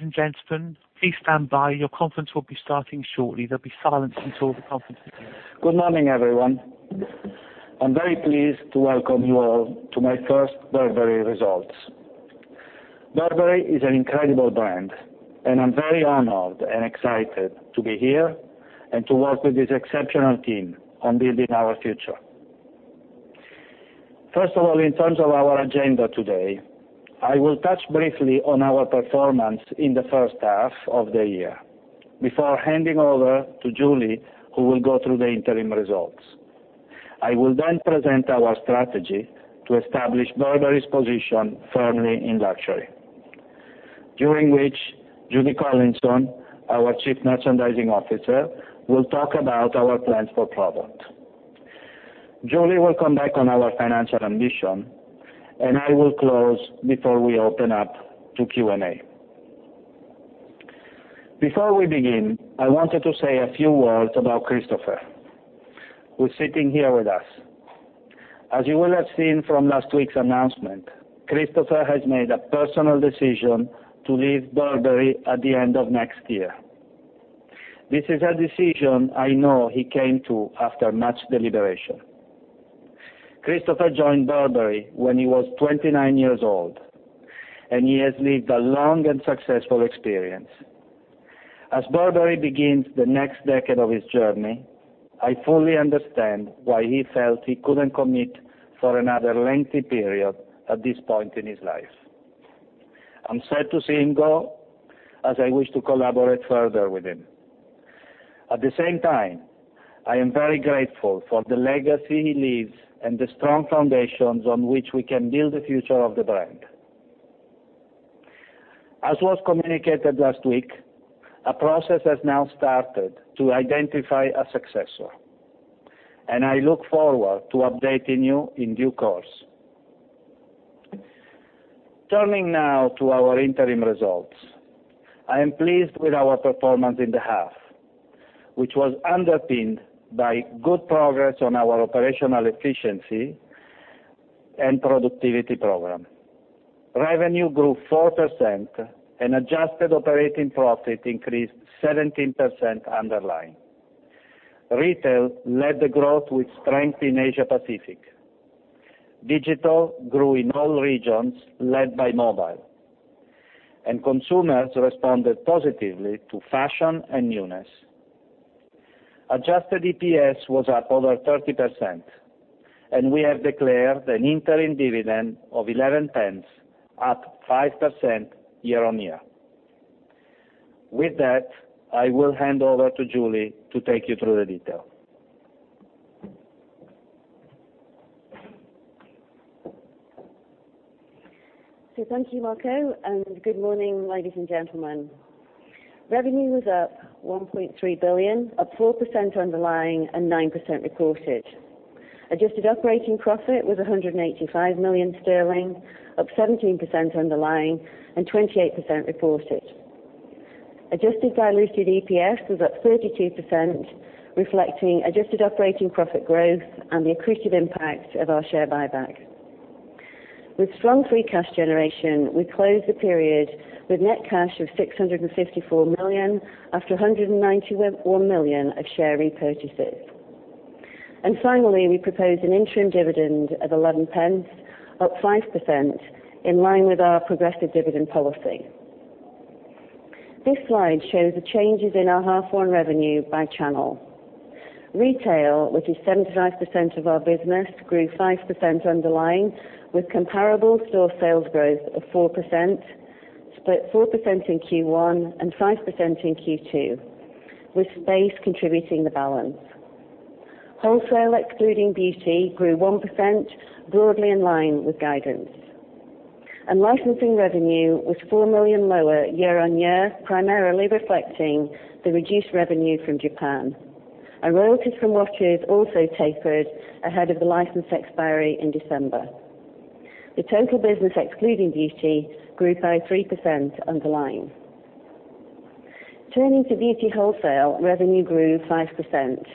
Ladies and gentlemen, please stand by. Your conference will be starting shortly. There'll be silence until the conference begins. Good morning, everyone. I'm very pleased to welcome you all to my first Burberry results. Burberry is an incredible brand, and I'm very honored and excited to be here and to work with this exceptional team on building our future. First of all, in terms of our agenda today, I will touch briefly on our performance in the first half of the year before handing over to Julie, who will go through the interim results. I will present our strategy to establish Burberry's position firmly in luxury, during which Judy Collinson, our Chief Merchandising Officer, will talk about our plans for product. Julie will come back on our financial ambition. I will close before we open up to Q&A. Before we begin, I wanted to say a few words about Christopher, who's sitting here with us. As you will have seen from last week's announcement, Christopher has made a personal decision to leave Burberry at the end of next year. This is a decision I know he came to after much deliberation. Christopher joined Burberry when he was 29 years old. He has lived a long and successful experience. As Burberry begins the next decade of its journey, I fully understand why he felt he couldn't commit for another lengthy period at this point in his life. I'm sad to see him go, as I wish to collaborate further with him. At the same time, I am very grateful for the legacy he leaves and the strong foundations on which we can build the future of the brand. As was communicated last week, a process has now started to identify a successor. I look forward to updating you in due course. Turning now to our interim results. I am pleased with our performance in the half, which was underpinned by good progress on our operational efficiency and productivity program. Revenue grew 4%. Adjusted operating profit increased 17% underlying. Retail led the growth with strength in Asia Pacific. Digital grew in all regions, led by mobile. Consumers responded positively to fashion and newness. Adjusted EPS was up over 30%. We have declared an interim dividend of 0.11, up 5% year-on-year. With that, I will hand over to Julie to take you through the detail. Thank you, Marco, and good morning, ladies and gentlemen. Revenue was up 1.3 billion, up 4% underlying and 9% reported. Adjusted operating profit was 185 million sterling, up 17% underlying and 28% reported. Adjusted diluted EPS was up 32%, reflecting adjusted operating profit growth and the accretive impact of our share buyback. With strong free cash generation, we closed the period with net cash of 654 million after 191 million of share repurchases. Finally, we propose an interim dividend at 0.11, up 5%, in line with our progressive dividend policy. This slide shows the changes in our half-on revenue by channel. Retail, which is 75% of our business, grew 5% underlying, with comparable store sales growth of 4%, split 4% in Q1 and 5% in Q2, with Space contributing the balance. Wholesale, excluding beauty, grew 1%, broadly in line with guidance. Licensing revenue was 4 million lower year-on-year, primarily reflecting the reduced revenue from Japan, and royalties from watches also tapered ahead of the license expiry in December. The total business, excluding beauty, grew by 3% underlying. Turning to beauty wholesale, revenue grew 5%.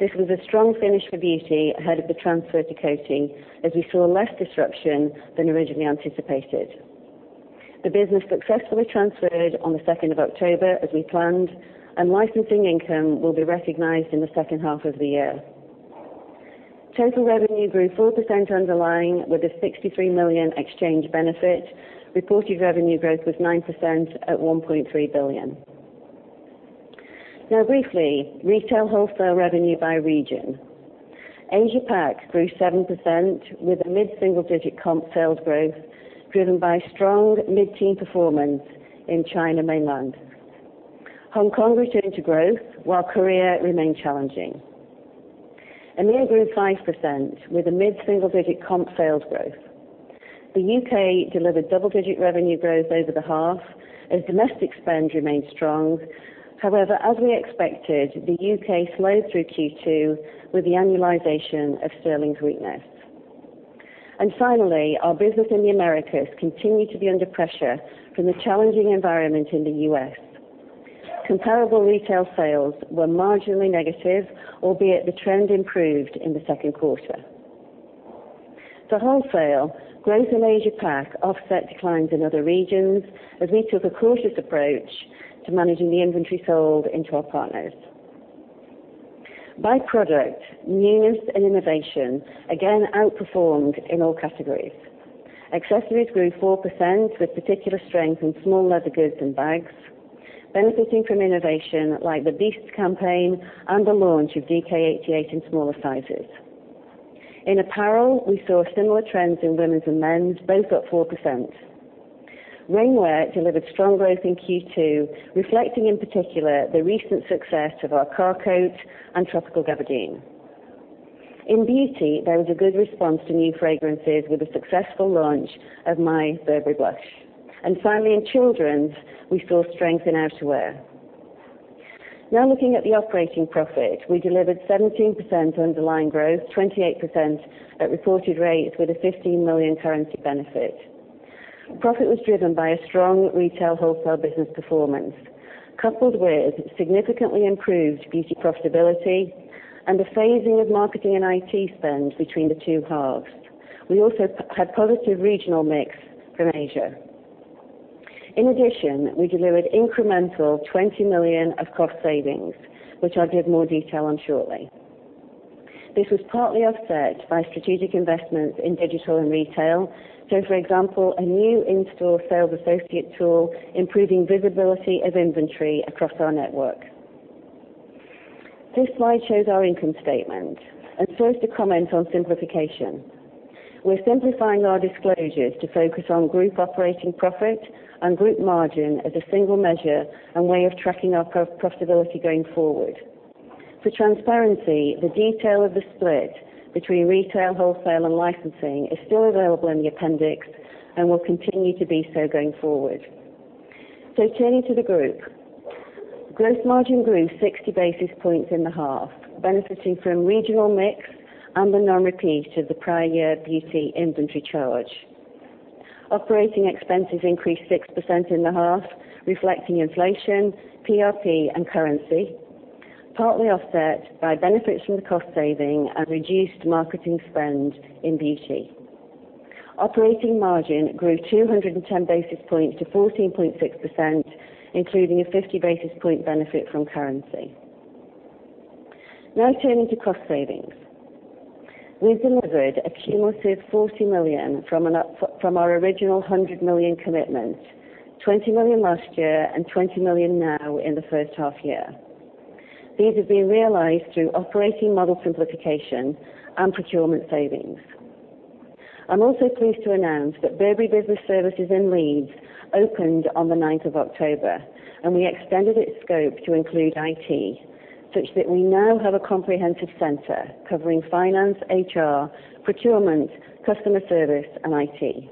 This was a strong finish for beauty ahead of the transfer to Kering, as we saw less disruption than originally anticipated. The business successfully transferred on the 2nd of October as we planned, and licensing income will be recognized in the second half of the year. Total revenue grew 4% underlying with a 63 million exchange benefit. Reported revenue growth was 9% at 1.3 billion. Briefly, retail wholesale revenue by region. Asia Pac grew 7%, with a mid-single-digit comp sales growth driven by strong mid-teen performance in China mainland. Hong Kong returned to growth while Korea remained challenging. EMEA grew 5% with a mid-single-digit comp sales growth. The U.K. delivered double-digit revenue growth over the half as domestic spend remained strong. However, as we expected, the U.K. slowed through Q2 with the annualization of sterling's weakness. Finally, our business in the Americas continued to be under pressure from the challenging environment in the U.S. Comparable retail sales were marginally negative, albeit the trend improved in the second quarter. For wholesale, growth in Asia Pac offset declines in other regions, as we took a cautious approach to managing the inventory sold into our partners. By product, newness and innovation again outperformed in all categories. Accessories grew 4%, with particular strength in small leather goods and bags, benefiting from innovation like the Beasts campaign and the launch of DK88 in smaller sizes. In apparel, we saw similar trends in women's and men's, both up 4%. Rainwear delivered strong growth in Q2, reflecting in particular the recent success of our Car Coat and Tropical Gabardine. In beauty, there was a good response to new fragrances, with the successful launch of My Burberry Blush. Finally, in children's, we saw strength in outerwear. Looking at the operating profit. We delivered 17% underlying growth, 28% at reported rates, with a 15 million currency benefit. Profit was driven by a strong retail wholesale business performance, coupled with significantly improved beauty profitability and the phasing of marketing and IT spend between the two halves. We also had positive regional mix from Asia. In addition, we delivered incremental 20 million of cost savings, which I'll give more detail on shortly. This was partly offset by strategic investments in digital and retail. For example, a new in-store sales associate tool, improving visibility of inventory across our network. This slide shows our income statement and shows the comment on simplification. We're simplifying our disclosures to focus on group operating profit and group margin as a single measure and way of tracking our profitability going forward. For transparency, the detail of the split between retail, wholesale, and licensing is still available in the appendix and will continue to be so going forward. Turning to the group. Gross margin grew 60 basis points in the half, benefiting from regional mix and the non-repeat of the prior year beauty inventory charge. Operating expenses increased 6% in the half, reflecting inflation, PRP, and currency, partly offset by benefits from the cost saving and reduced marketing spend in beauty. Operating margin grew 210 basis points to 14.6%, including a 50 basis point benefit from currency. Turning to cost savings. We've delivered a cumulative 40 million from our original 100 million commitment, 20 million last year and 20 million now in the first half year. These have been realized through operating model simplification and procurement savings. I'm also pleased to announce that Burberry Business Services in Leeds opened on the 9th of October, and we extended its scope to include IT, such that we now have a comprehensive center covering finance, HR, procurement, customer service, and IT.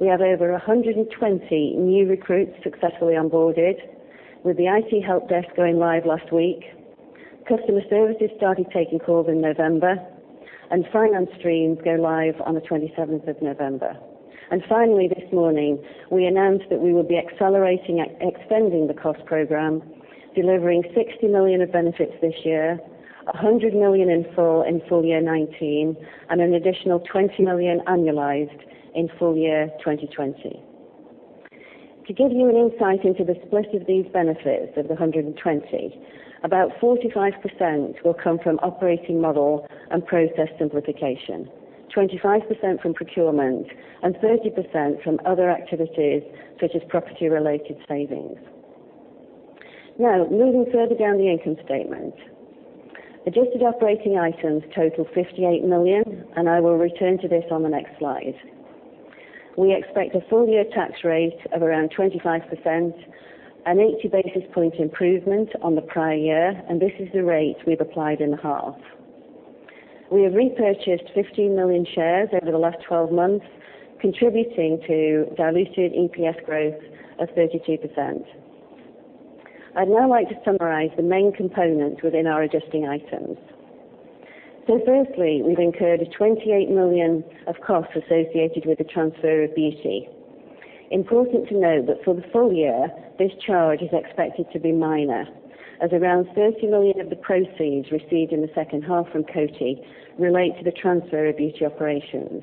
We have over 120 new recruits successfully onboarded, with the IT help desk going live last week. Customer services started taking calls in November, and finance streams go live on the 27th of November. Finally, this morning, we announced that we will be accelerating and extending the cost program, delivering 60 million of benefits this year, 100 million in full in FY 2019, and an additional 20 million annualized in FY 2020. To give you an insight into the split of these benefits of the 120 million, about 45% will come from operating model and process simplification, 25% from procurement, and 30% from other activities such as property-related savings. Moving further down the income statement. Adjusted operating items total 58 million, and I will return to this on the next slide. We expect a full-year tax rate of around 25%, an 80 basis point improvement on the prior year, and this is the rate we've applied in the half. We have repurchased 15 million shares over the last 12 months, contributing to diluted EPS growth of 32%. I'd now like to summarize the main components within our adjusting items. Firstly, we've incurred a 28 million of costs associated with the transfer of beauty. Important to note that for the full year, this charge is expected to be minor, as around 30 million of the proceeds received in the second half from Coty relate to the transfer of beauty operations.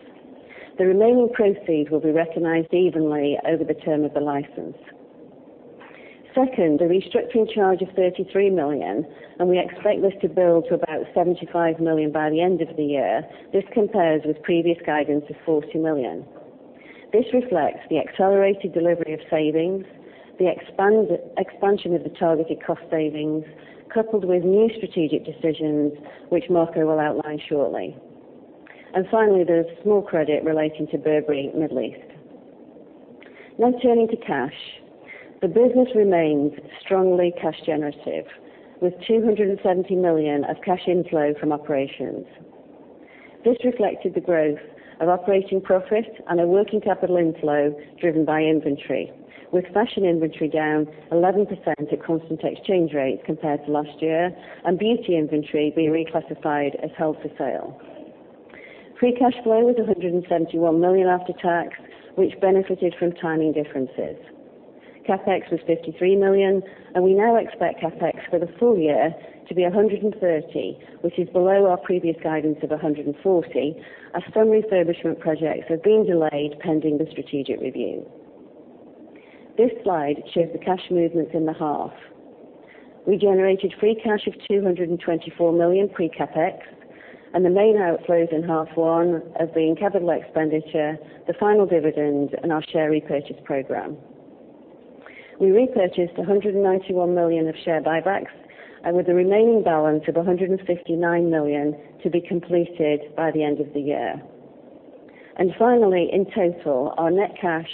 The remaining proceeds will be recognized evenly over the term of the license. Second, a restructuring charge of 33 million, and we expect this to build to about 75 million by the end of the year. This compares with previous guidance of 40 million. This reflects the accelerated delivery of savings, the expansion of the targeted cost savings, coupled with new strategic decisions, which Marco will outline shortly. Finally, there's a small credit relating to Burberry Middle East. Turning to cash. The business remains strongly cash generative, with 270 million of cash inflow from operations. This reflected the growth of operating profit and a working capital inflow driven by inventory, with fashion inventory down 11% at constant exchange rates compared to last year and beauty inventory being reclassified as held for sale. Free cash flow was 171 million after tax, which benefited from timing differences. CapEx was 53 million, and we now expect CapEx for the full year to be 130 million, which is below our previous guidance of 140 million as some refurbishment projects have been delayed pending the strategic review. This slide shows the cash movements in the half. We generated free cash of 224 million pre-CapEx, and the main outflows in half one have been capital expenditure, the final dividend, and our share repurchase program. We repurchased 191 million of share buybacks, with the remaining balance of 159 million to be completed by the end of the year. Finally, in total, our net cash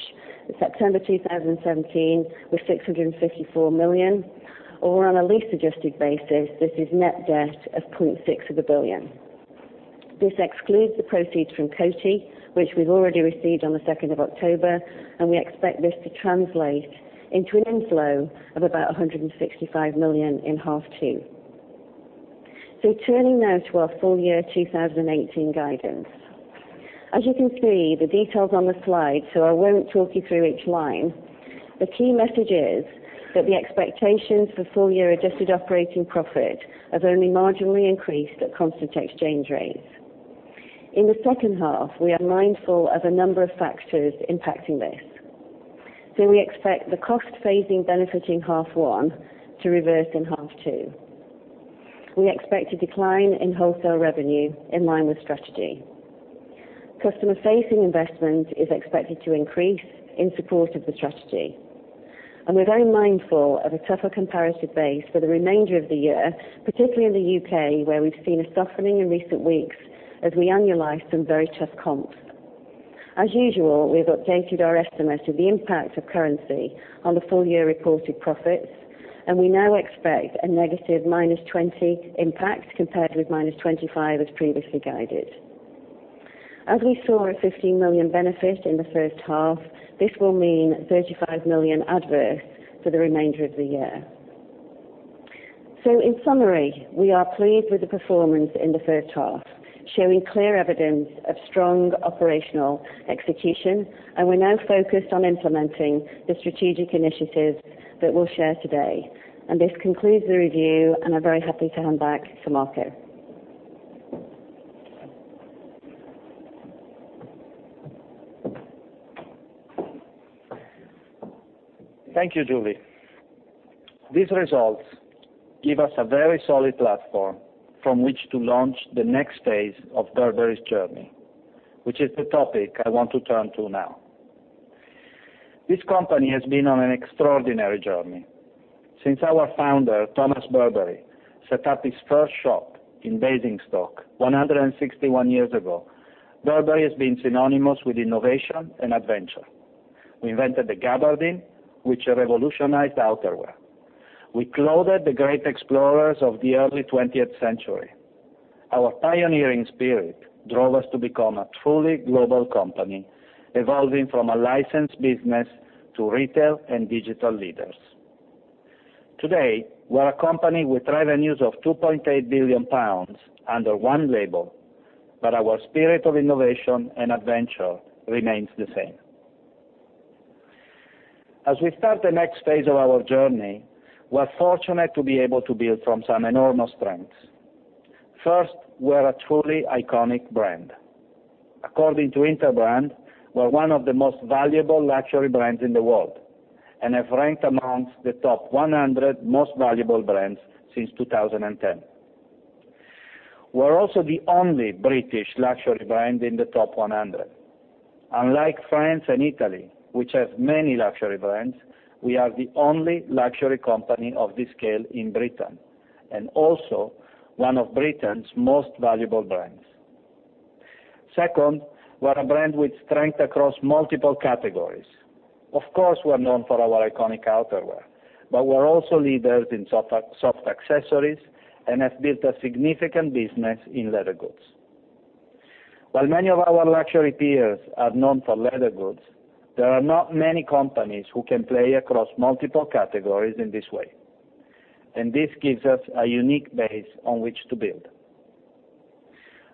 in September 2017 was 654 million, or on a lease adjusted basis, this is net debt of 0.6 billion. This excludes the proceeds from Coty, which we've already received on the 2nd of October, and we expect this to translate into an inflow of about 165 million in half two. Turning now to our full year 2018 guidance. As you can see, the detail's on the slide, so I won't talk you through each line. The key message is that the expectations for full-year adjusted operating profit have only marginally increased at constant exchange rates. In the second half, we are mindful of a number of factors impacting this. We expect the cost phasing benefiting half one to reverse in half two. We expect a decline in wholesale revenue in line with strategy. Customer-facing investment is expected to increase in support of the strategy. We're very mindful of a tougher comparative base for the remainder of the year, particularly in the U.K., where we've seen a softening in recent weeks as we annualize some very tough comps. As usual, we've updated our estimate of the impact of currency on the full-year reported profits, and we now expect a negative minus 20 impact, compared with minus 25 as previously guided. As we saw a 15 million benefit in the first half, this will mean 35 million adverse for the remainder of the year. In summary, we are pleased with the performance in the first half, showing clear evidence of strong operational execution, and we're now focused on implementing the strategic initiatives that we'll share today. This concludes the review, and I'm very happy to hand back to Marco. Thank you, Julie. These results give us a very solid platform from which to launch the next phase of Burberry's journey, which is the topic I want to turn to now. This company has been on an extraordinary journey. Since our founder, Thomas Burberry, set up his first shop in Basingstoke 161 years ago, Burberry has been synonymous with innovation and adventure. We invented the gabardine, which revolutionized outerwear. We clothed the great explorers of the early 20th century. Our pioneering spirit drove us to become a truly global company, evolving from a licensed business to retail and digital leaders. Today, we're a company with revenues of 2.8 billion pounds under one label. Our spirit of innovation and adventure remains the same. As we start the next phase of our journey, we're fortunate to be able to build from some enormous strengths. First, we're a truly iconic brand. According to Interbrand, we're one of the most valuable luxury brands in the world and have ranked amongst the top 100 most valuable brands since 2010. We're also the only British luxury brand in the top 100. Unlike France and Italy, which have many luxury brands, we are the only luxury company of this scale in Britain, and also one of Britain's most valuable brands. Second, we're a brand with strength across multiple categories. Of course, we're known for our iconic outerwear, but we're also leaders in soft accessories and have built a significant business in leather goods. While many of our luxury peers are known for leather goods, there are not many companies who can play across multiple categories in this way, and this gives us a unique base on which to build.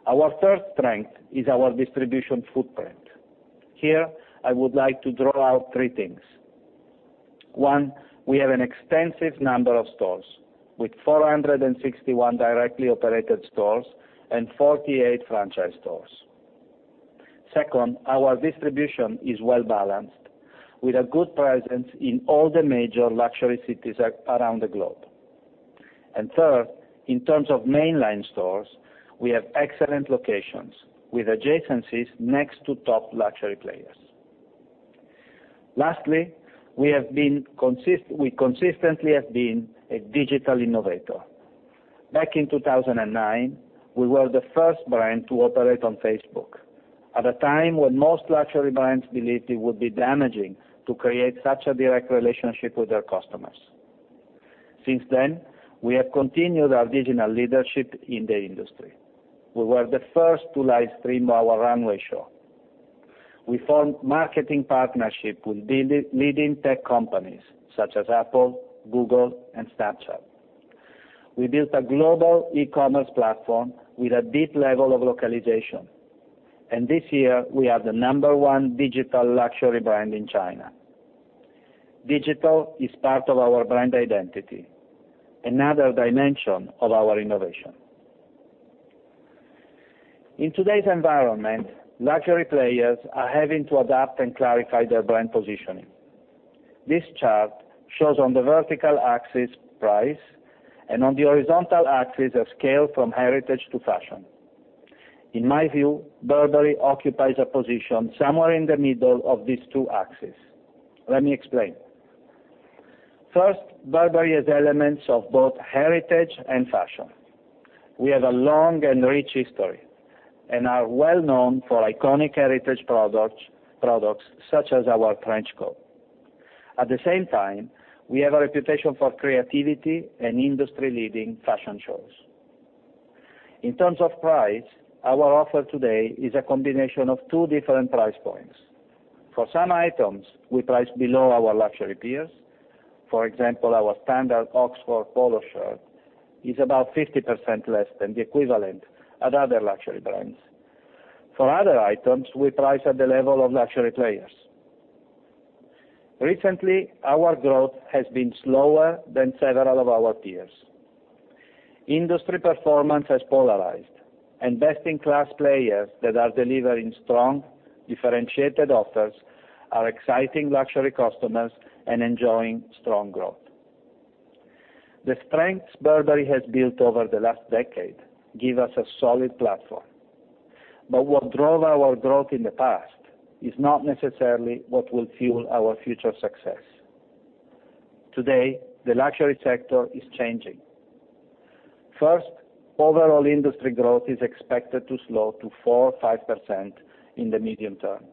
Our third strength is our distribution footprint. Here, I would like to draw out three things. One, we have an extensive number of stores, with 461 directly operated stores and 48 franchise stores. Second, our distribution is well-balanced, with a good presence in all the major luxury cities around the globe. Third, in terms of mainline stores, we have excellent locations, with adjacencies next to top luxury players. Lastly, we consistently have been a digital innovator. Back in 2009, we were the first brand to operate on Facebook at a time when most luxury brands believed it would be damaging to create such a direct relationship with their customers. Since then, we have continued our digital leadership in the industry. We were the first to live stream our runway show. We formed marketing partnership with leading tech companies such as Apple, Google, and Snapchat. We built a global e-commerce platform with a deep level of localization. This year we are the number one digital luxury brand in China. Digital is part of our brand identity, another dimension of our innovation. In today's environment, luxury players are having to adapt and clarify their brand positioning. This chart shows on the vertical axis price, and on the horizontal axis, a scale from heritage to fashion. In my view, Burberry occupies a position somewhere in the middle of these two axes. Let me explain. First, Burberry has elements of both heritage and fashion. We have a long and rich history and are well-known for iconic heritage products such as our trench coat. At the same time, we have a reputation for creativity and industry-leading fashion shows. In terms of price, our offer today is a combination of two different price points. For some items, we price below our luxury peers. For example, our standard Oxford polo shirt is about 50% less than the equivalent at other luxury brands. For other items, we price at the level of luxury players. Recently, our growth has been slower than several of our peers. Industry performance has polarized and best-in-class players that are delivering strong, differentiated offers are exciting luxury customers and enjoying strong growth. The strengths Burberry has built over the last decade give us a solid platform. What drove our growth in the past is not necessarily what will fuel our future success. Today, the luxury sector is changing. First, overall industry growth is expected to slow to 4% or 5% in the medium term.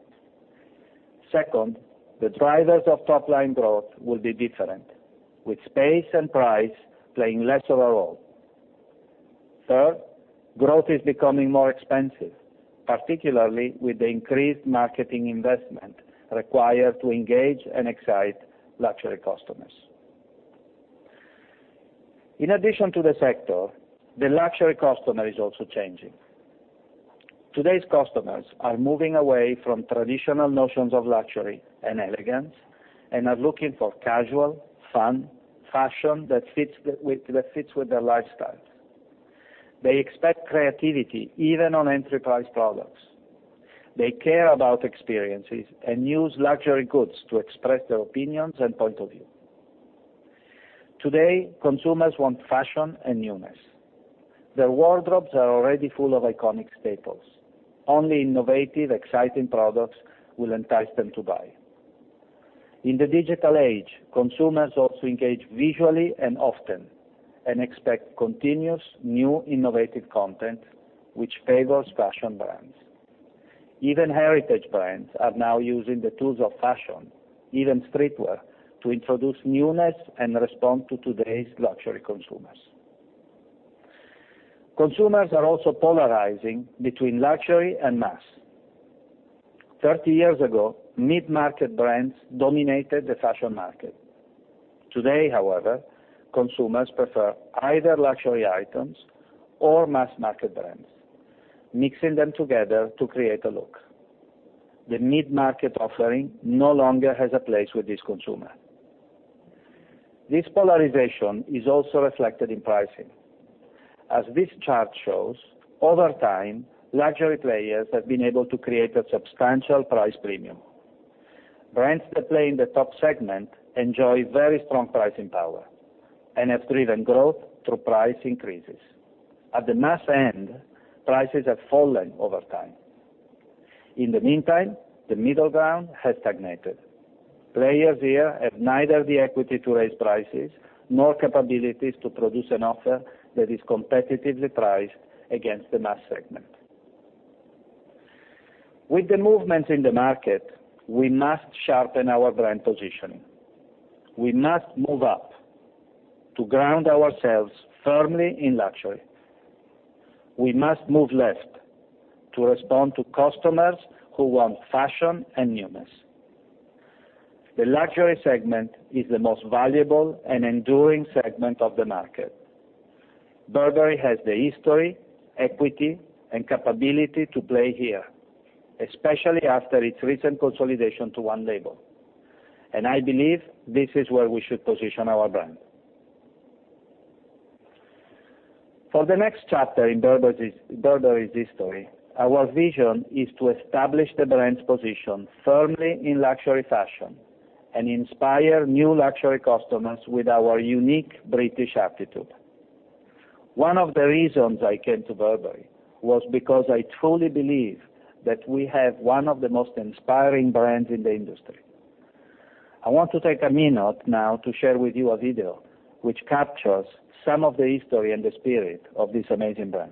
Second, the drivers of top-line growth will be different, with space and price playing less of a role. Third, growth is becoming more expensive, particularly with the increased marketing investment required to engage and excite luxury customers. In addition to the sector, the luxury customer is also changing. Today's customers are moving away from traditional notions of luxury and elegance and are looking for casual, fun fashion that fits with their lifestyles. They expect creativity, even on entry price products. They care about experiences and use luxury goods to express their opinions and point of view. Today, consumers want fashion and newness. Their wardrobes are already full of iconic staples. Only innovative, exciting products will entice them to buy. In the digital age, consumers also engage visually and often and expect continuous new innovative content which favors fashion brands. Even heritage brands are now using the tools of fashion, even streetwear, to introduce newness and respond to today's luxury consumers. Consumers are also polarizing between luxury and mass. 30 years ago, mid-market brands dominated the fashion market. Today, however, consumers prefer either luxury items or mass-market brands, mixing them together to create a look. The mid-market offering no longer has a place with this consumer. This polarization is also reflected in pricing. As this chart shows, over time, luxury players have been able to create a substantial price premium. Brands that play in the top segment enjoy very strong pricing power and have driven growth through price increases. At the mass end, prices have fallen over time. In the meantime, the middle ground has stagnated. Players here have neither the equity to raise prices nor capabilities to produce an offer that is competitively priced against the mass segment. With the movements in the market, we must sharpen our brand positioning. We must move up to ground ourselves firmly in luxury. We must move left to respond to customers who want fashion and newness. The luxury segment is the most valuable and enduring segment of the market. Burberry has the history, equity, and capability to play here, especially after its recent consolidation to one label, and I believe this is where we should position our brand. For the next chapter in Burberry's history, our vision is to establish the brand's position firmly in luxury fashion and inspire new luxury customers with our unique British aptitude. One of the reasons I came to Burberry was because I truly believe that we have one of the most inspiring brands in the industry. I want to take a minute now to share with you a video which captures some of the history and the spirit of this amazing brand.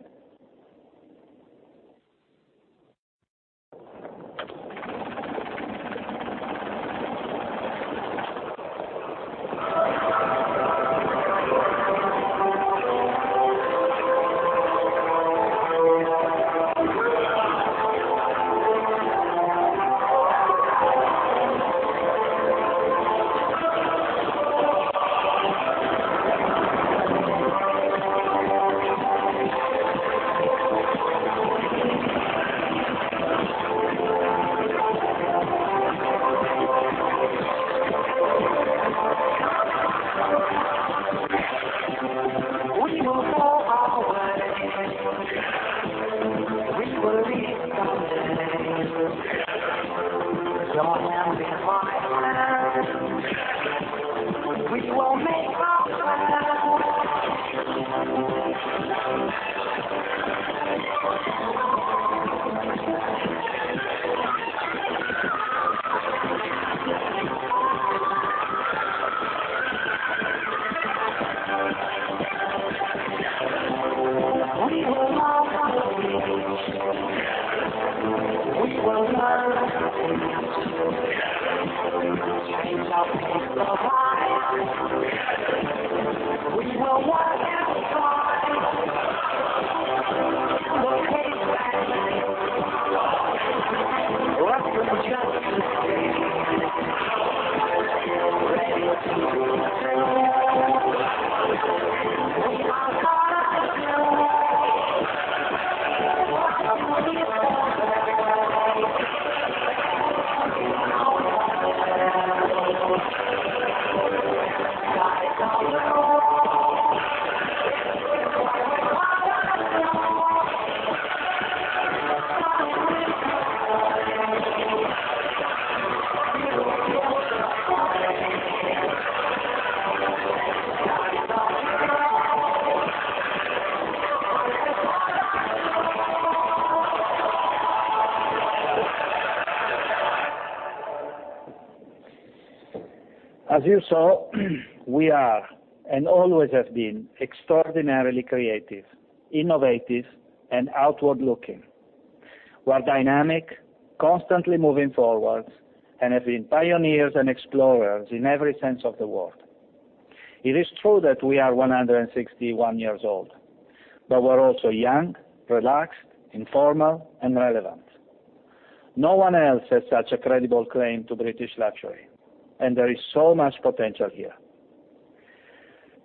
and there is so much potential here.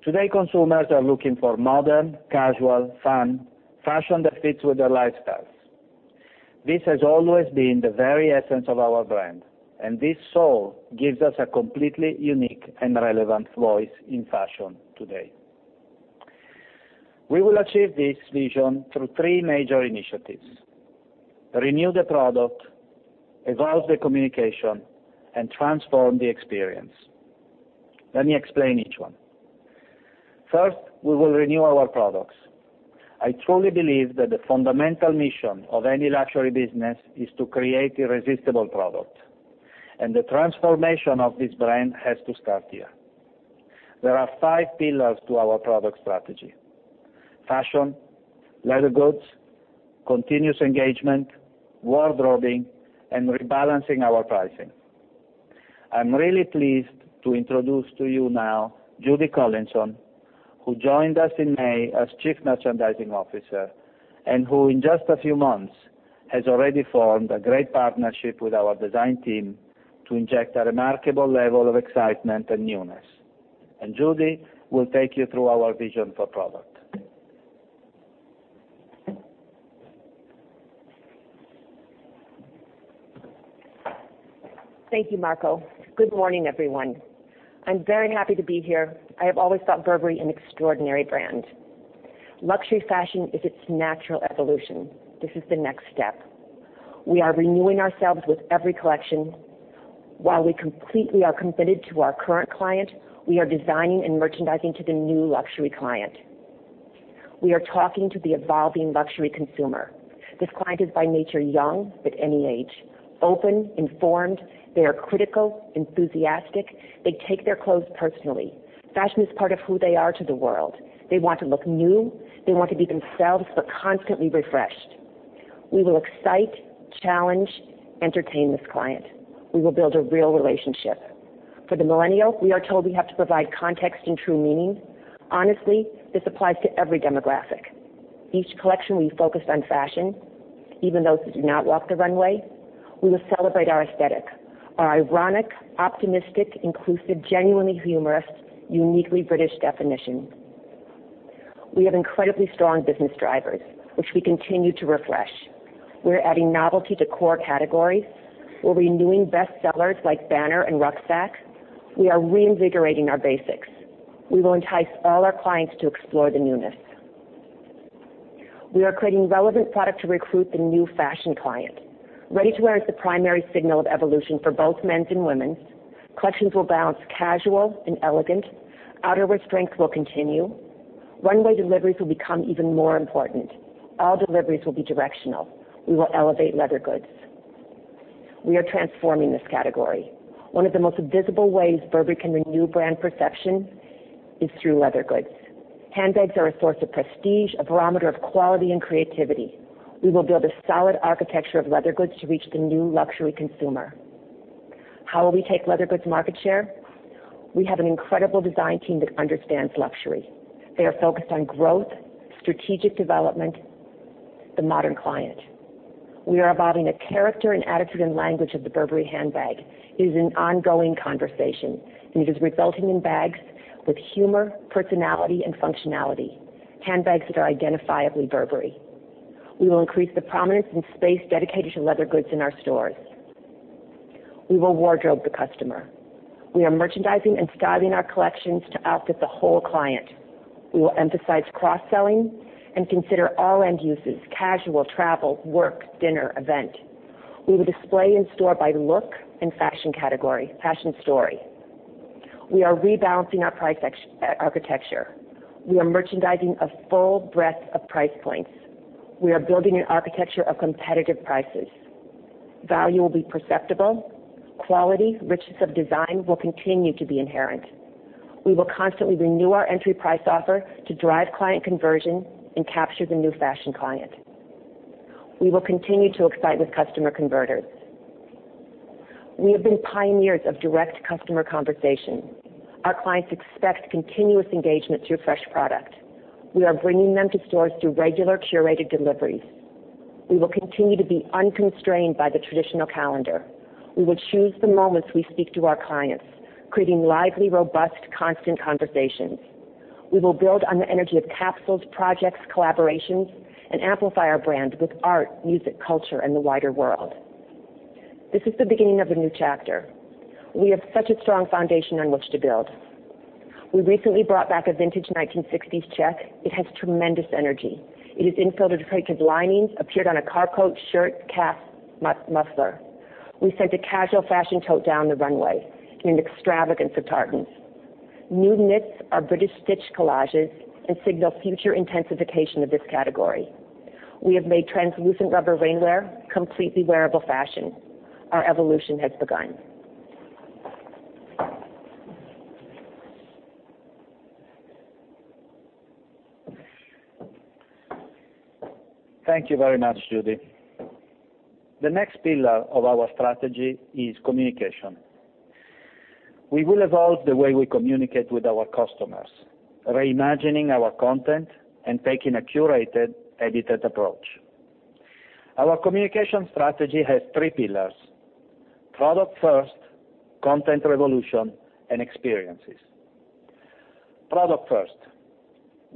Today, consumers are looking for modern, casual, fun fashion that fits with their lifestyles. This has always been the very essence of our brand, and this soul gives us a completely unique and relevant voice in fashion today. We will achieve this vision through three major initiatives. Renew the product, evolve the communication, and transform the experience. Let me explain each one. First, we will renew our products. I truly believe that the fundamental mission of any luxury business is to create irresistible product, and the transformation of this brand has to start here. There are five pillars to our product strategy. Fashion, leather goods, continuous engagement, wardrobing, and rebalancing our pricing. I'm really pleased to introduce to you now Judy Collinson, who joined us in May as Chief Merchandising Officer, and who in just a few months, has already formed a great partnership with our design team to inject a remarkable level of excitement and newness. Judy will take you through our vision for product. Thank you, Marco. Good morning, everyone. I'm very happy to be here. I have always thought Burberry an extraordinary brand. Luxury fashion is its natural evolution. This is the next step. We are renewing ourselves with every collection. While we completely are committed to our current client, we are designing and merchandising to the new luxury client. We are talking to the evolving luxury consumer. This client is by nature young at any age, open, informed, they are critical, enthusiastic. They take their clothes personally. Fashion is part of who they are to the world. They want to look new. They want to be themselves, but constantly refreshed. We will excite, challenge, entertain this client. We will build a real relationship. For the millennial, we are told we have to provide context and true meaning. Honestly, this applies to every demographic. Each collection will be focused on fashion, even those that do not walk the runway. We will celebrate our aesthetic, our ironic, optimistic, inclusive, genuinely humorous, uniquely British definition. We have incredibly strong business drivers, which we continue to refresh. We are adding novelty to core categories. We are renewing bestsellers like Banner and Rucksack. We are reinvigorating our basics. We will entice all our clients to explore the newness. We are creating relevant product to recruit the new fashion client. Ready-to-wear is the primary signal of evolution for both men's and women's. Collections will balance casual and elegant. Outerwear strength will continue. Runway deliveries will become even more important. All deliveries will be directional. We will elevate leather goods. We are transforming this category. One of the most visible ways Burberry can renew brand perception is through leather goods. Handbags are a source of prestige, a barometer of quality and creativity. We will build a solid architecture of leather goods to reach the new luxury consumer. How will we take leather goods market share? We have an incredible design team that understands luxury. They are focused on growth, strategic development The modern client. We are evolving the character and attitude and language of the Burberry handbag. It is an ongoing conversation, and it is resulting in bags with humor, personality, and functionality. Handbags that are identifiably Burberry. We will increase the prominence and space dedicated to leather goods in our stores. We will wardrobe the customer. We are merchandising and styling our collections to outfit the whole client. We will emphasize cross-selling and consider all end uses, casual, travel, work, dinner, event. We will display in-store by look and fashion category, fashion story. We are rebalancing our price architecture. We are merchandising a full breadth of price points. We are building an architecture of competitive prices. Value will be perceptible. Quality, richness of design will continue to be inherent. We will constantly renew our entry price offer to drive client conversion and capture the new fashion client. We will continue to excite with customer converters. We have been pioneers of direct customer conversation. Our clients expect continuous engagement through fresh product. We are bringing them to stores through regular curated deliveries. We will continue to be unconstrained by the traditional calendar. We will choose the moments we speak to our clients, creating lively, robust, constant conversations. We will build on the energy of capsules, projects, collaborations, and amplify our brand with art, music, culture, and the wider world. This is the beginning of a new chapter. We have such a strong foundation on which to build. We recently brought back a vintage 1960s check. It has tremendous energy. It is in filtered printed linings, appeared on a Car Coat, shirt, cap, muffler. We sent a casual fashion tote down the runway in an extravagance of tartans. New knits are British stitch collages and signal future intensification of this category. We have made translucent rubber rainwear completely wearable fashion. Our evolution has begun. Thank you very much, Judy. The next pillar of our strategy is communication. We will evolve the way we communicate with our customers, reimagining our content and taking a curated, edited approach. Our communication strategy has three pillars, Product first, Content revolution, and Experiences. Product first.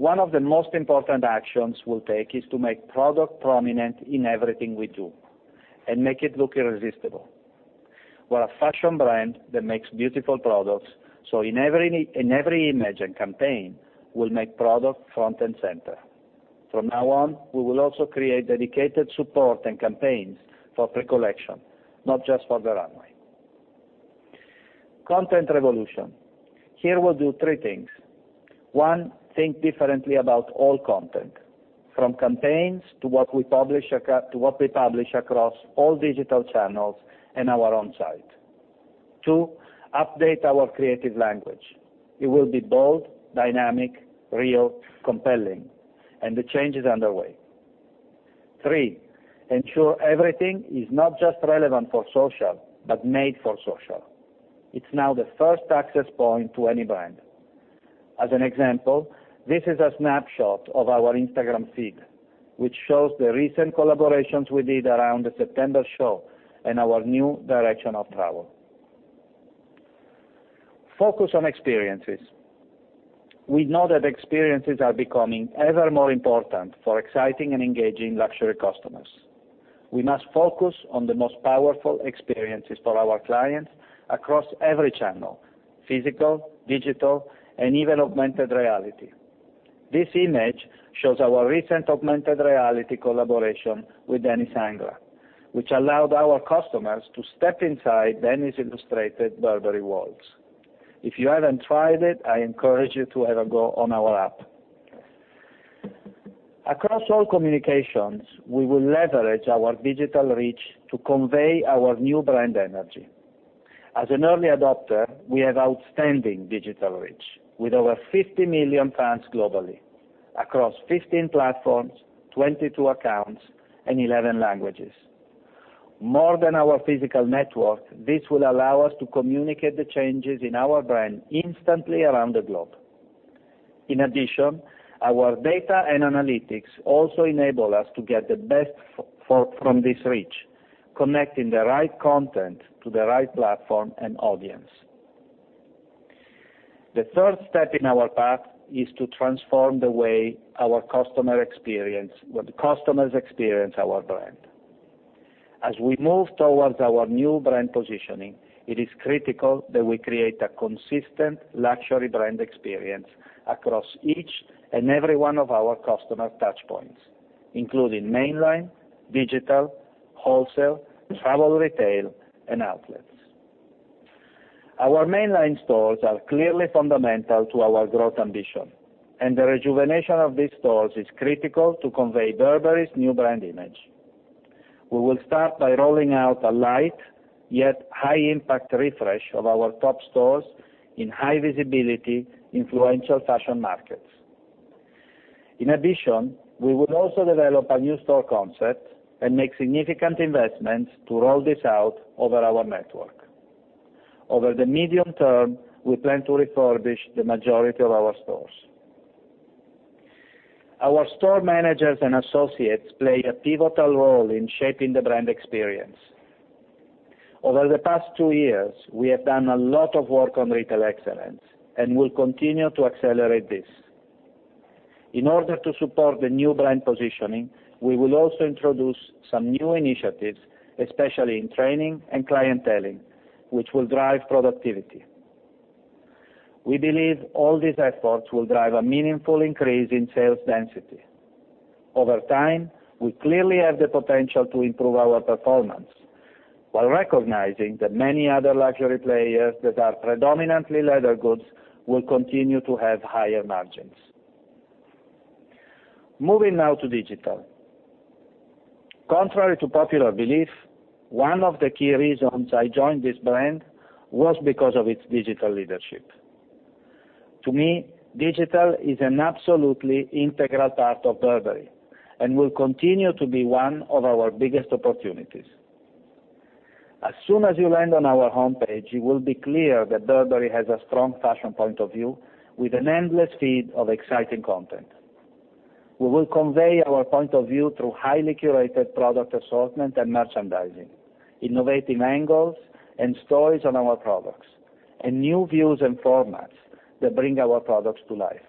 One of the most important actions we will take is to make product prominent in everything we do, and make it look irresistible. We are a fashion brand that makes beautiful products, so in every image and campaign, we will make product front and center. From now on, we will also create dedicated support and campaigns for pre-collection, not just for the runway. Content revolution. Here, we will do three things. One, think differently about all content, from campaigns to what we publish across all digital channels and our own site. Two, update our creative language. It will be bold, dynamic, real, compelling, and the change is underway. Three, ensure everything is not just relevant for social, but made for social. It is now the first access point to any brand. As an example, this is a snapshot of our Instagram feed, which shows the recent collaborations we did around the September show and our new direction of travel. Focus on experiences. We know that experiences are becoming ever more important for exciting and engaging luxury customers. We must focus on the most powerful experiences for our clients across every channel, physical, digital, and even augmented reality. This image shows our recent augmented reality collaboration with Danny Sangra, which allowed our customers to step inside Danny's illustrated Burberry worlds. If you have not tried it, I encourage you to have a go on our app. Across all communications, we will leverage our digital reach to convey our new brand energy. As an early adopter, we have outstanding digital reach, with over 50 million fans globally across 15 platforms, 22 accounts, and 11 languages. More than our physical network, this will allow us to communicate the changes in our brand instantly around the globe. In addition, our data and analytics also enable us to get the best from this reach, connecting the right content to the right platform and audience. The third step in our path is to transform the way the customers experience our brand. As we move towards our new brand positioning, it is critical that we create a consistent luxury brand experience across each and every one of our customer touchpoints, including mainline, digital, wholesale, travel retail, and outlets. Our mainline stores are clearly fundamental to our growth ambition, and the rejuvenation of these stores is critical to convey Burberry's new brand image. We will start by rolling out a light, yet high impact refresh of our top stores in high visibility influential fashion markets. In addition, we will also develop a new store concept and make significant investments to roll this out over our network. Over the medium term, we plan to refurbish the majority of our stores. Our store managers and associates play a pivotal role in shaping the brand experience. Over the past two years, we have done a lot of work on retail excellence and will continue to accelerate this. In order to support the new brand positioning, we will also introduce some new initiatives, especially in training and clienteling, which will drive productivity. We believe all these efforts will drive a meaningful increase in sales density. Over time, we clearly have the potential to improve our performance while recognizing that many other luxury players that are predominantly leather goods will continue to have higher margins. Moving now to digital. Contrary to popular belief, one of the key reasons I joined this brand was because of its digital leadership. To me, digital is an absolutely integral part of Burberry and will continue to be one of our biggest opportunities. As soon as you land on our homepage, it will be clear that Burberry has a strong fashion point of view with an endless feed of exciting content. We will convey our point of view through highly curated product assortment and merchandising, innovative angles and stories on our products, and new views and formats that bring our products to life.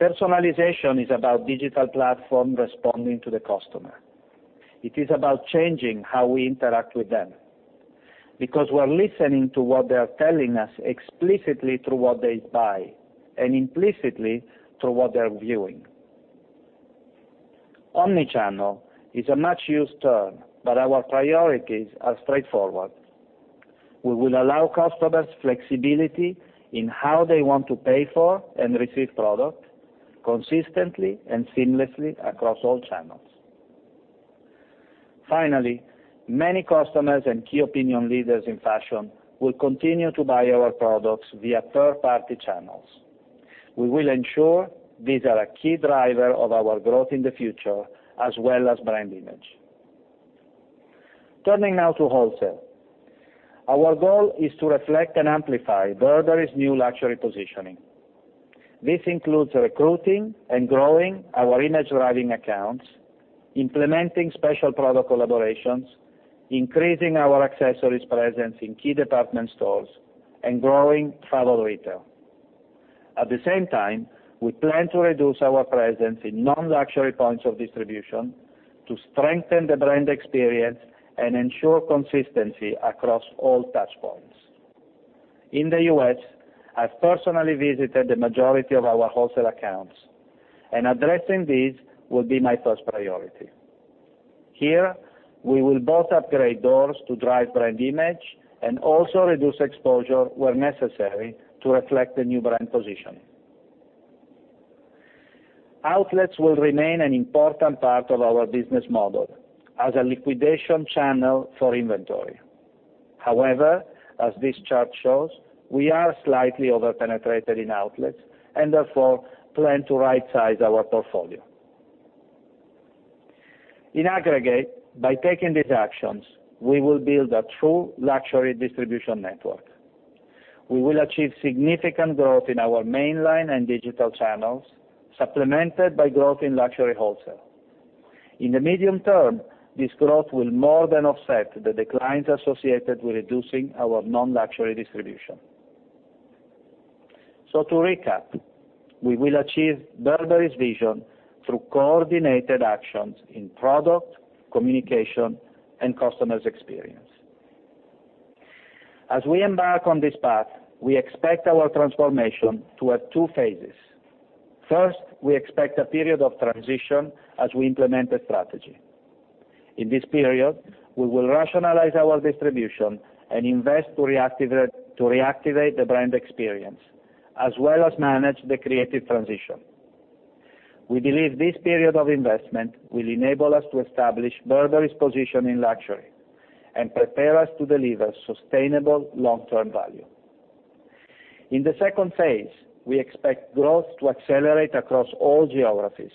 Personalization is about digital platform responding to the customer. It is about changing how we interact with them because we're listening to what they are telling us explicitly through what they buy and implicitly through what they're viewing. Omnichannel is a much-used term. Our priorities are straightforward. We will allow customers flexibility in how they want to pay for and receive product consistently and seamlessly across all channels. Finally, many customers and key opinion leaders in fashion will continue to buy our products via third-party channels. We will ensure these are a key driver of our growth in the future, as well as brand image. Turning now to wholesale. Our goal is to reflect and amplify Burberry's new luxury positioning. This includes recruiting and growing our image-driving accounts, implementing special product collaborations, increasing our accessories presence in key department stores, and growing travel retail. At the same time, we plan to reduce our presence in non-luxury points of distribution to strengthen the brand experience and ensure consistency across all touchpoints. In the U.S., I've personally visited the majority of our wholesale accounts, and addressing these will be my first priority. Here, we will both upgrade doors to drive brand image and also reduce exposure where necessary to reflect the new brand position. Outlets will remain an important part of our business model as a liquidation channel for inventory. However, as this chart shows, we are slightly over-penetrated in outlets and therefore plan to rightsize our portfolio. In aggregate, by taking these actions, we will build a true luxury distribution network. We will achieve significant growth in our mainline and digital channels, supplemented by growth in luxury wholesale. In the medium term, this growth will more than offset the declines associated with reducing our non-luxury distribution. To recap, we will achieve Burberry's vision through coordinated actions in product, communication, and customers' experience. As we embark on this path, we expect our transformation to have two phases. First, we expect a period of transition as we implement a strategy. In this period, we will rationalize our distribution and invest to reactivate the brand experience as well as manage the creative transition. We believe this period of investment will enable us to establish Burberry's position in luxury and prepare us to deliver sustainable long-term value. In the second phase, we expect growth to accelerate across all geographies,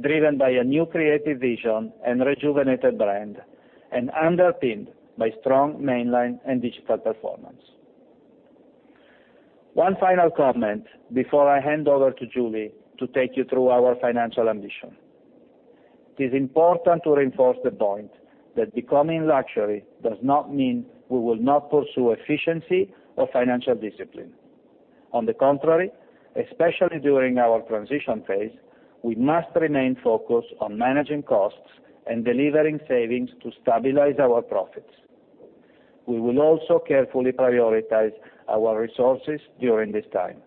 driven by a new creative vision and rejuvenated brand, and underpinned by strong mainline and digital performance. One final comment before I hand over to Julie Brown to take you through our financial ambition. It is important to reinforce the point that becoming luxury does not mean we will not pursue efficiency or financial discipline. On the contrary, especially during our transition phase, we must remain focused on managing costs and delivering savings to stabilize our profits. We will also carefully prioritize our resources during this time.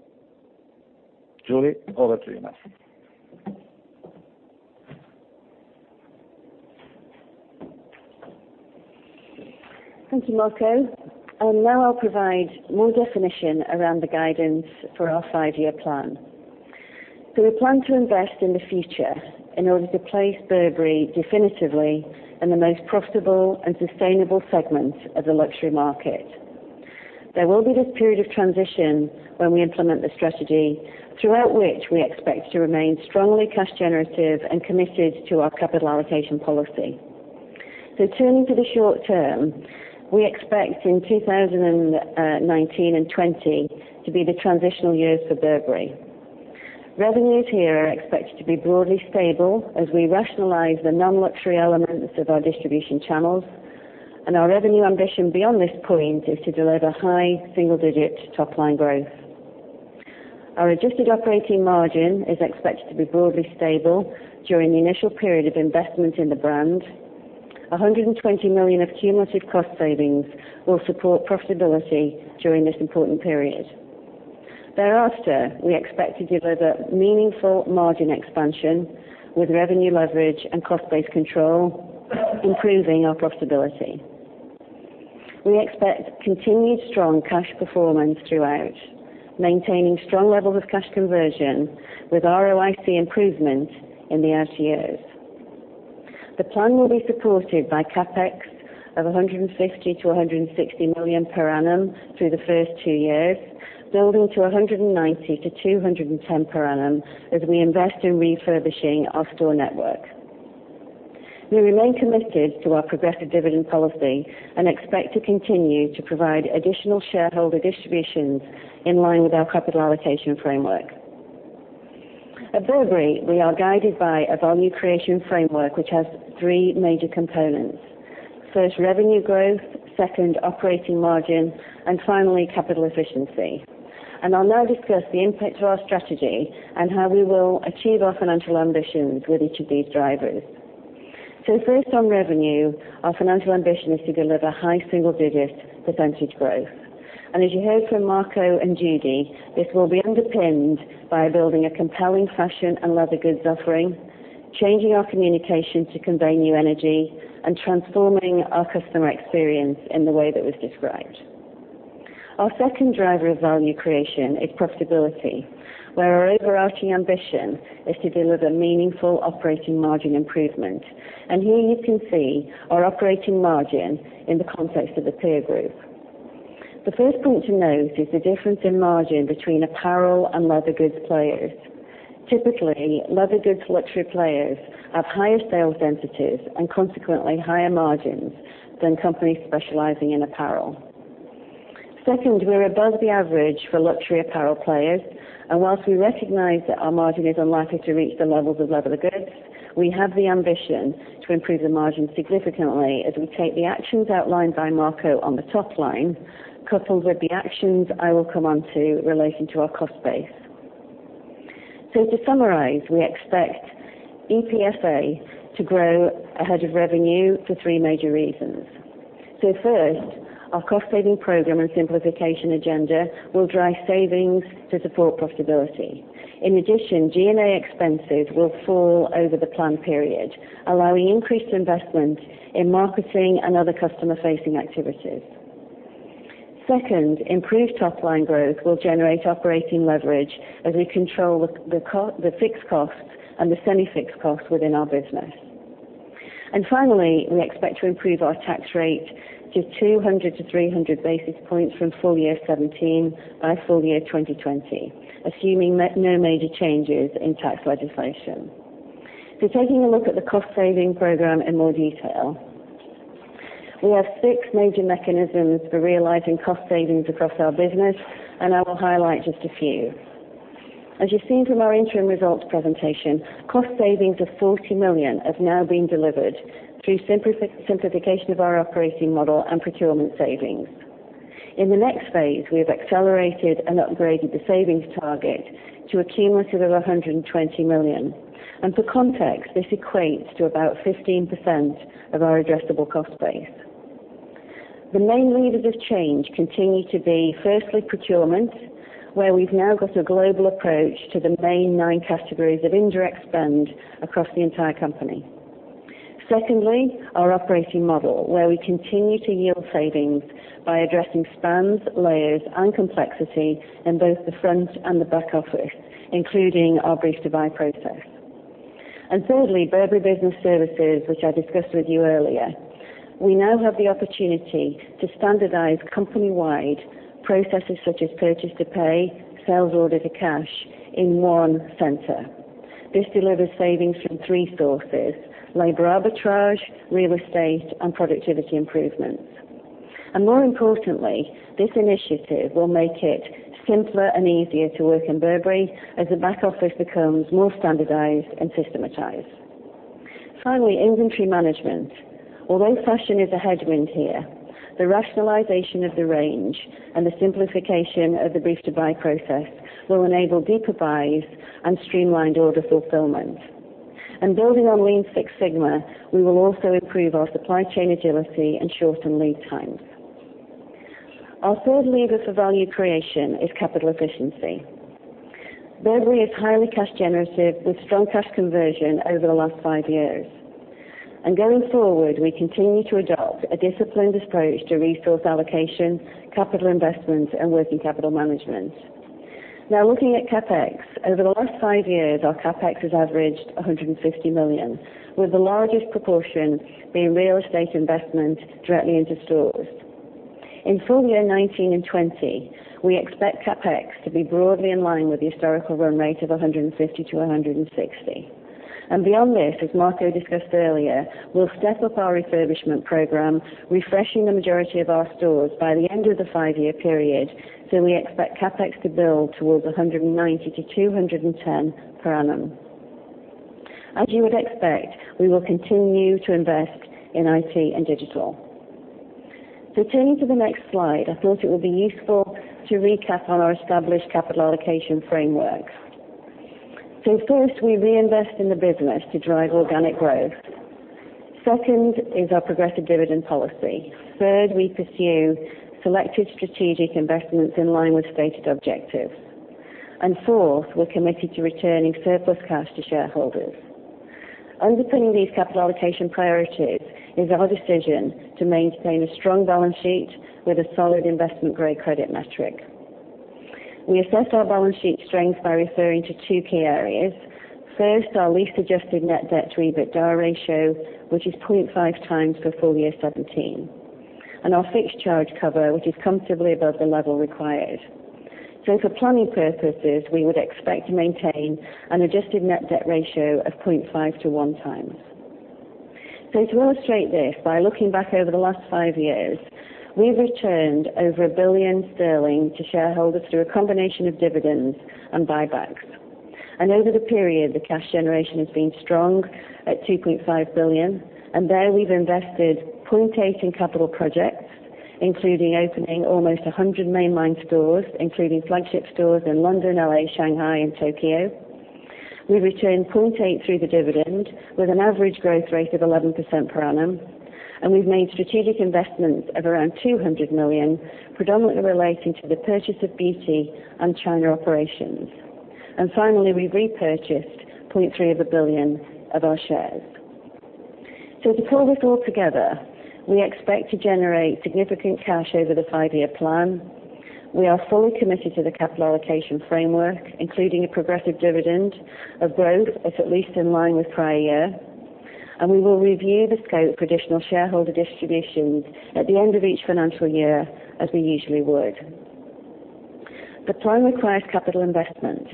Julie Brown, over to you now. Thank you, Marco Gobbetti. Now I'll provide more definition around the guidance for our five-year plan. We plan to invest in the future in order to place Burberry definitively in the most profitable and sustainable segment of the luxury market. There will be this period of transition when we implement the strategy throughout which we expect to remain strongly cash generative and committed to our capital allocation policy. Turning to the short term, we expect in 2019 and 2020 to be the transitional years for Burberry. Revenues here are expected to be broadly stable as we rationalize the non-luxury elements of our distribution channels. Our revenue ambition beyond this point is to deliver high single-digit top-line growth. Our adjusted operating margin is expected to be broadly stable during the initial period of investment in the brand. 120 million of cumulative cost savings will support profitability during this important period. Thereafter, we expect to deliver meaningful margin expansion with revenue leverage and cost base control, improving our profitability. We expect continued strong cash performance throughout, maintaining strong levels of cash conversion with ROIC improvement in the out years. The plan will be supported by CapEx of 150 million-160 million per annum through the first two years, building to 190 million-210 million per annum as we invest in refurbishing our store network. We remain committed to our progressive dividend policy and expect to continue to provide additional shareholder distributions in line with our capital allocation framework. At Burberry, we are guided by a value creation framework which has three major components. First, revenue growth, second, operating margin, and finally, capital efficiency. I'll now discuss the impact to our strategy and how we will achieve our financial ambitions with each of these drivers. First on revenue, our financial ambition is to deliver high single-digit % growth. As you heard from Marco Gobbetti and Judy Collinson, this will be underpinned by building a compelling fashion and leather goods offering, changing our communication to convey new energy, and transforming our customer experience in the way that was described. Our second driver of value creation is profitability, where our overarching ambition is to deliver meaningful operating margin improvement. Here you can see our operating margin in the context of the peer group. The first point to note is the difference in margin between apparel and leather goods players. Typically, leather goods luxury players have higher sales densities and consequently higher margins than companies specializing in apparel. We're above the average for luxury apparel players, and whilst we recognize that our margin is unlikely to reach the levels of leather goods, we have the ambition to improve the margin significantly as we take the actions outlined by Marco on the top line, coupled with the actions I will come on to relating to our cost base. To summarize, we expect (EPFA) to grow ahead of revenue for three major reasons. First, our cost-saving program and simplification agenda will drive savings to support profitability. In addition, G&A expenses will fall over the plan period, allowing increased investment in marketing and other customer-facing activities. Improved top-line growth will generate operating leverage as we control the fixed costs and the semi-fixed costs within our business. Finally, we expect to improve our tax rate to 200 to 300 basis points from full year 2017 by full year 2020, assuming no major changes in tax legislation. Taking a look at the cost-saving program in more detail. We have six major mechanisms for realizing cost savings across our business. I will highlight just a few. As you've seen from our interim results presentation, cost savings of 40 million have now been delivered through simplification of our operating model and procurement savings. In the next phase, we have accelerated and upgraded the savings target to a cumulative of 120 million. For context, this equates to about 15% of our addressable cost base. The main levers of change continue to be, firstly, procurement, where we've now got a global approach to the main 9 categories of indirect spend across the entire company. Our operating model, where we continue to yield savings by addressing spans, layers, and complexity in both the front and the back office, including our brief-to-buy process. Thirdly, Burberry Business Services, which I discussed with you earlier. We now have the opportunity to standardize company-wide processes such as purchase to pay, sales order to cash in one center. This delivers savings from three sources, labor arbitrage, real estate, and productivity improvements. More importantly, this initiative will make it simpler and easier to work in Burberry as the back office becomes more standardized and systematized. Inventory management. Although fashion is a headwind here, the rationalization of the range and the simplification of the brief-to-buy process will enable deeper buys and streamlined order fulfillment. Building on Lean Six Sigma, we will also improve our supply chain agility and shorten lead times. Our third lever for value creation is capital efficiency. Burberry is highly cash generative with strong cash conversion over the last five years. Going forward, we continue to adopt a disciplined approach to resource allocation, capital investment, and working capital management. Looking at CapEx. Over the last five years, our CapEx has averaged 150 million, with the largest proportion being real estate investment directly into stores. In full year 2019 and 2020, we expect CapEx to be broadly in line with the historical run rate of 150-160. Beyond this, as Marco discussed earlier, we'll step up our refurbishment program, refreshing the majority of our stores by the end of the five-year period. We expect CapEx to build towards 190-210 per annum. As you would expect, we will continue to invest in IT and digital. Turning to the next slide, I thought it would be useful to recap on our established capital allocation framework. First, we reinvest in the business to drive organic growth. Second is our progressive dividend policy. Third, we pursue selective strategic investments in line with stated objectives. Fourth, we're committed to returning surplus cash to shareholders. Underpinning these capital allocation priorities is our decision to maintain a strong balance sheet with a solid investment-grade credit metric. We assess our balance sheet strength by referring to two key areas. First, our lease-adjusted net debt to EBITDA ratio, which is 0.5 times for full year 2017. Our fixed charge cover, which is comfortably above the level required. For planning purposes, we would expect to maintain an adjusted net debt ratio of 0.5 to 1 times. To illustrate this, by looking back over the last five years, we've returned over 1 billion sterling to shareholders through a combination of dividends and buybacks. Over the period, the cash generation has been strong at 2.5 billion, and there we've invested 0.8 billion in capital projects, including opening almost 100 mainline stores, including flagship stores in London, L.A., Shanghai, and Tokyo. We returned 0.8 billion through the dividend, with an average growth rate of 11% per annum. We've made strategic investments of around 200 million, predominantly relating to the purchase of Beauty and China operations. Finally, we repurchased 0.3 billion of our shares. To pull this all together, we expect to generate significant cash over the five-year plan. We are fully committed to the capital allocation framework, including a progressive dividend, a growth that's at least in line with prior year. We will review the scope for additional shareholder distributions at the end of each financial year as we usually would. The plan requires capital investment,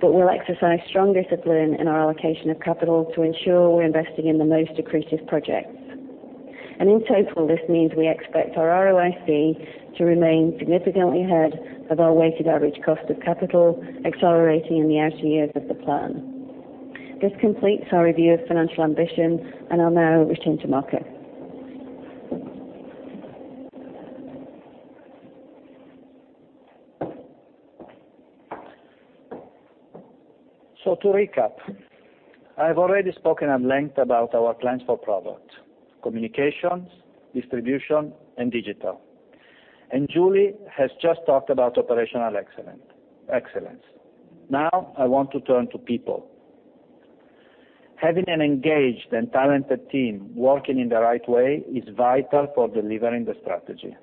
but we'll exercise strong discipline in our allocation of capital to ensure we're investing in the most accretive projects. In total, this means we expect our ROIC to remain significantly ahead of our weighted average cost of capital, accelerating in the outer years of the plan. This completes our review of financial ambition, and I'll now return to Marco. To recap, I've already spoken at length about our plans for product, communications, distribution, and digital. Julie has just talked about operational excellence. I want to turn to people. Having an engaged and talented team working in the right way is vital for delivering the strategy.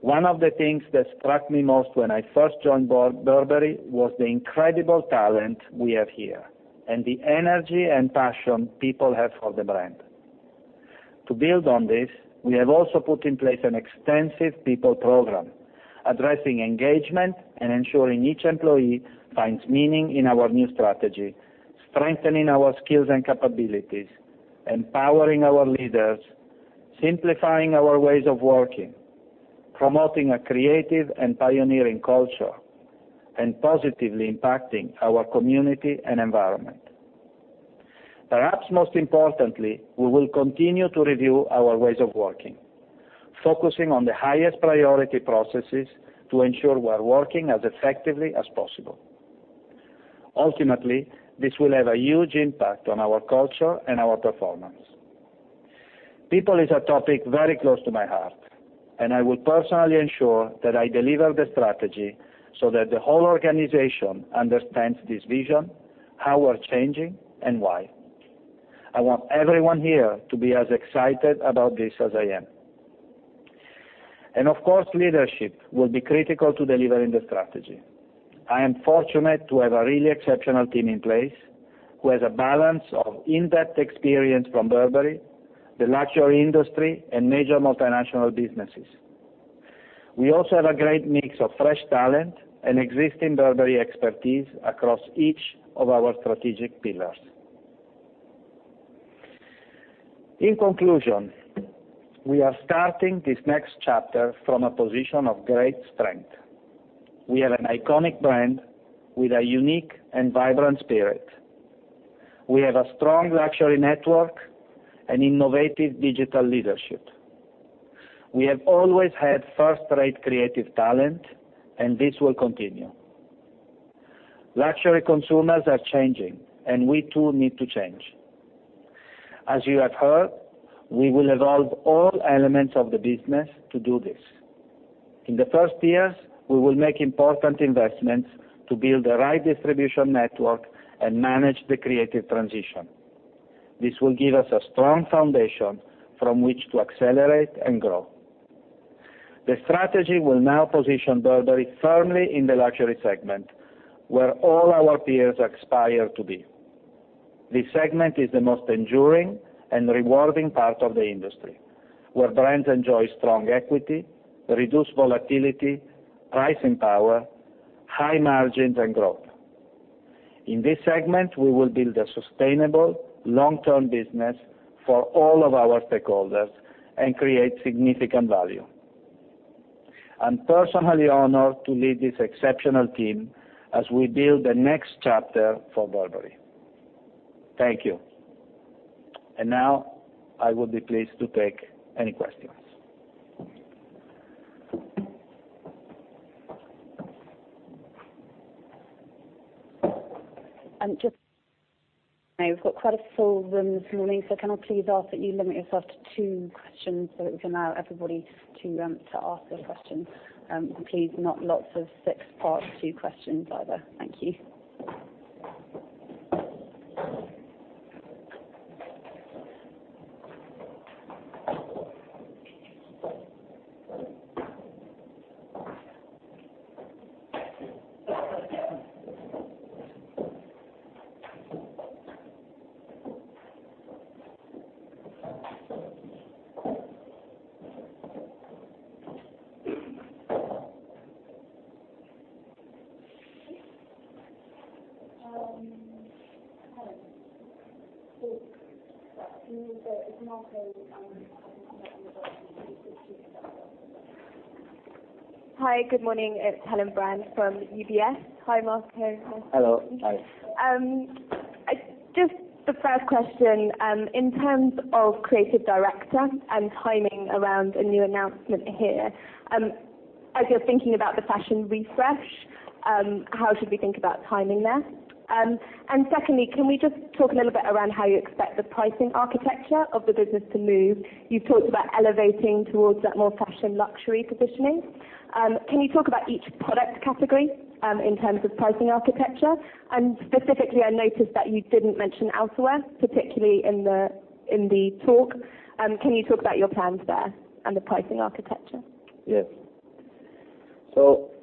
One of the things that struck me most when I first joined Burberry was the incredible talent we have here and the energy and passion people have for the brand. To build on this, we have also put in place an extensive people program, addressing engagement and ensuring each employee finds meaning in our new strategy, strengthening our skills and capabilities, empowering our leaders, simplifying our ways of working, promoting a creative and pioneering culture, and positively impacting our community and environment. Perhaps most importantly, we will continue to review our ways of working, focusing on the highest priority processes to ensure we are working as effectively as possible. Ultimately, this will have a huge impact on our culture and our performance. People is a topic very close to my heart, and I will personally ensure that I deliver the strategy so that the whole organization understands this vision, how we're changing, and why. I want everyone here to be as excited about this as I am. Of course, leadership will be critical to delivering the strategy. I am fortunate to have a really exceptional team in place who has a balance of in-depth experience from Burberry, the luxury industry, and major multinational businesses. We also have a great mix of fresh talent and existing Burberry expertise across each of our strategic pillars. In conclusion, we are starting this next chapter from a position of great strength. We are an iconic brand with a unique and vibrant spirit. We have a strong luxury network and innovative digital leadership. We have always had first-rate creative talent, and this will continue. Luxury consumers are changing, and we too need to change. As you have heard, we will evolve all elements of the business to do this. In the first years, we will make important investments to build the right distribution network and manage the creative transition. This will give us a strong foundation from which to accelerate and grow. The strategy will now position Burberry firmly in the luxury segment, where all our peers aspire to be. This segment is the most enduring and rewarding part of the industry, where brands enjoy strong equity, reduced volatility, pricing power, high margins, and growth. In this segment, we will build a sustainable long-term business for all of our stakeholders and create significant value. I'm personally honored to lead this exceptional team as we build the next chapter for Burberry. Thank you. Now I will be pleased to take any questions. Just, we've got quite a full room this morning, so can I please ask that you limit yourself to two questions so that we can allow everybody to ask a question. Please not lots of six part two questions either. Thank you. Helen. It's Marco Hi, good morning. It's Helen Brand from UBS. Hi, Marco. Hello. Hi. The first question, in terms of creative director and timing around a new announcement here, as you're thinking about the fashion refresh, how should we think about timing there? Secondly, can we just talk a little bit around how you expect the pricing architecture of the business to move? You've talked about elevating towards that more fashion luxury positioning. Can you talk about each product category in terms of pricing architecture? Specifically, I noticed that you didn't mention outerwear, particularly in the talk. Can you talk about your plans there and the pricing architecture? Yes.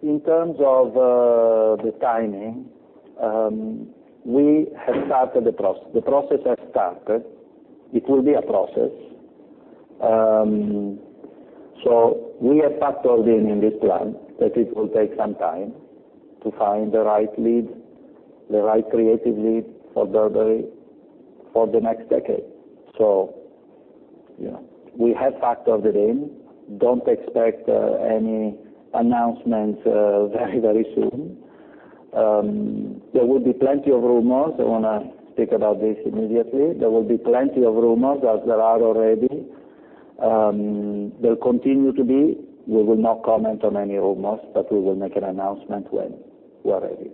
In terms of the timing, we have started the process. The process has started. It will be a process. We have factored in this plan, that it will take some time to find the right creative lead for Burberry for the next decade. We have factored it in. Don't expect any announcements very soon. There will be plenty of rumors. I want to speak about this immediately. There will be plenty of rumors, as there are already. There'll continue to be. We will not comment on any rumors, but we will make an announcement when we are ready.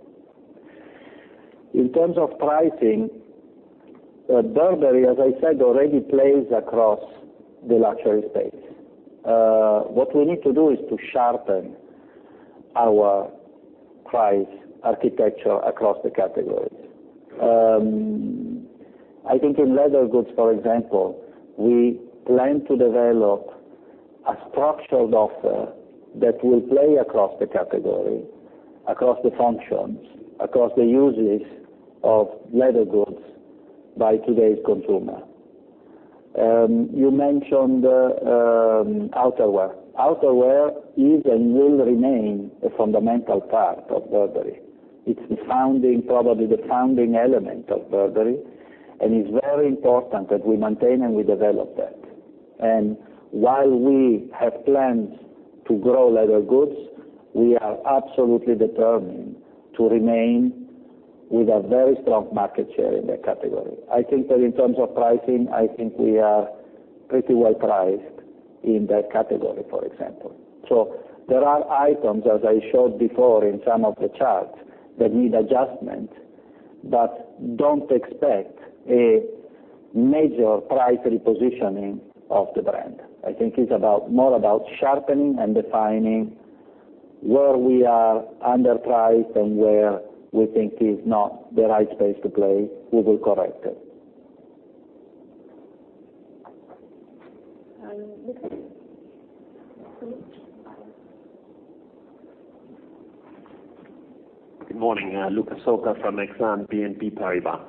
In terms of pricing, Burberry, as I said, already plays across the luxury space. What we need to do is to sharpen our price architecture across the categories. I think in leather goods, for example, we plan to develop a structured offer that will play across the category, across the functions, across the uses of leather goods by today's consumer. You mentioned outerwear. Outerwear is and will remain a fundamental part of Burberry. It's probably the founding element of Burberry, and it's very important that we maintain and we develop that. While we have plans to grow leather goods, we are absolutely determined to remain with a very strong market share in that category. I think that in terms of pricing, I think we are pretty well priced in that category, for example. There are items, as I showed before in some of the charts, that need adjustment, but don't expect a major price repositioning of the brand. I think it's more about sharpening and defining where we are underpriced and where we think is not the right space to play. We will correct it. Good morning. Luca Solca from Exane BNP Paribas.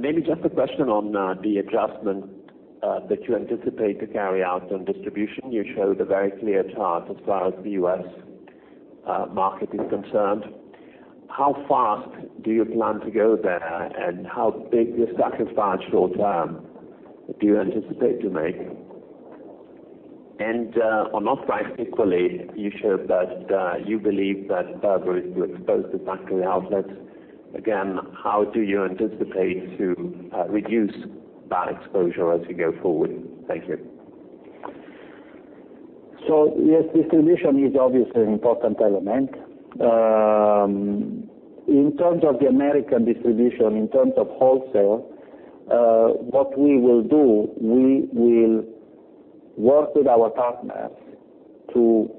Maybe just a question on the adjustment that you anticipate to carry out on distribution. You showed a very clear chart as far as the U.S. market is concerned. How fast do you plan to go there, and how big a sacrifice short term do you anticipate to make? On price, equally, you showed that you believe that Burberry is too exposed to factory outlets. Again, how do you anticipate to reduce that exposure as you go forward? Thank you. Yes, distribution is obviously an important element. In terms of the American distribution, in terms of wholesale, what we will do, we will work with our partners to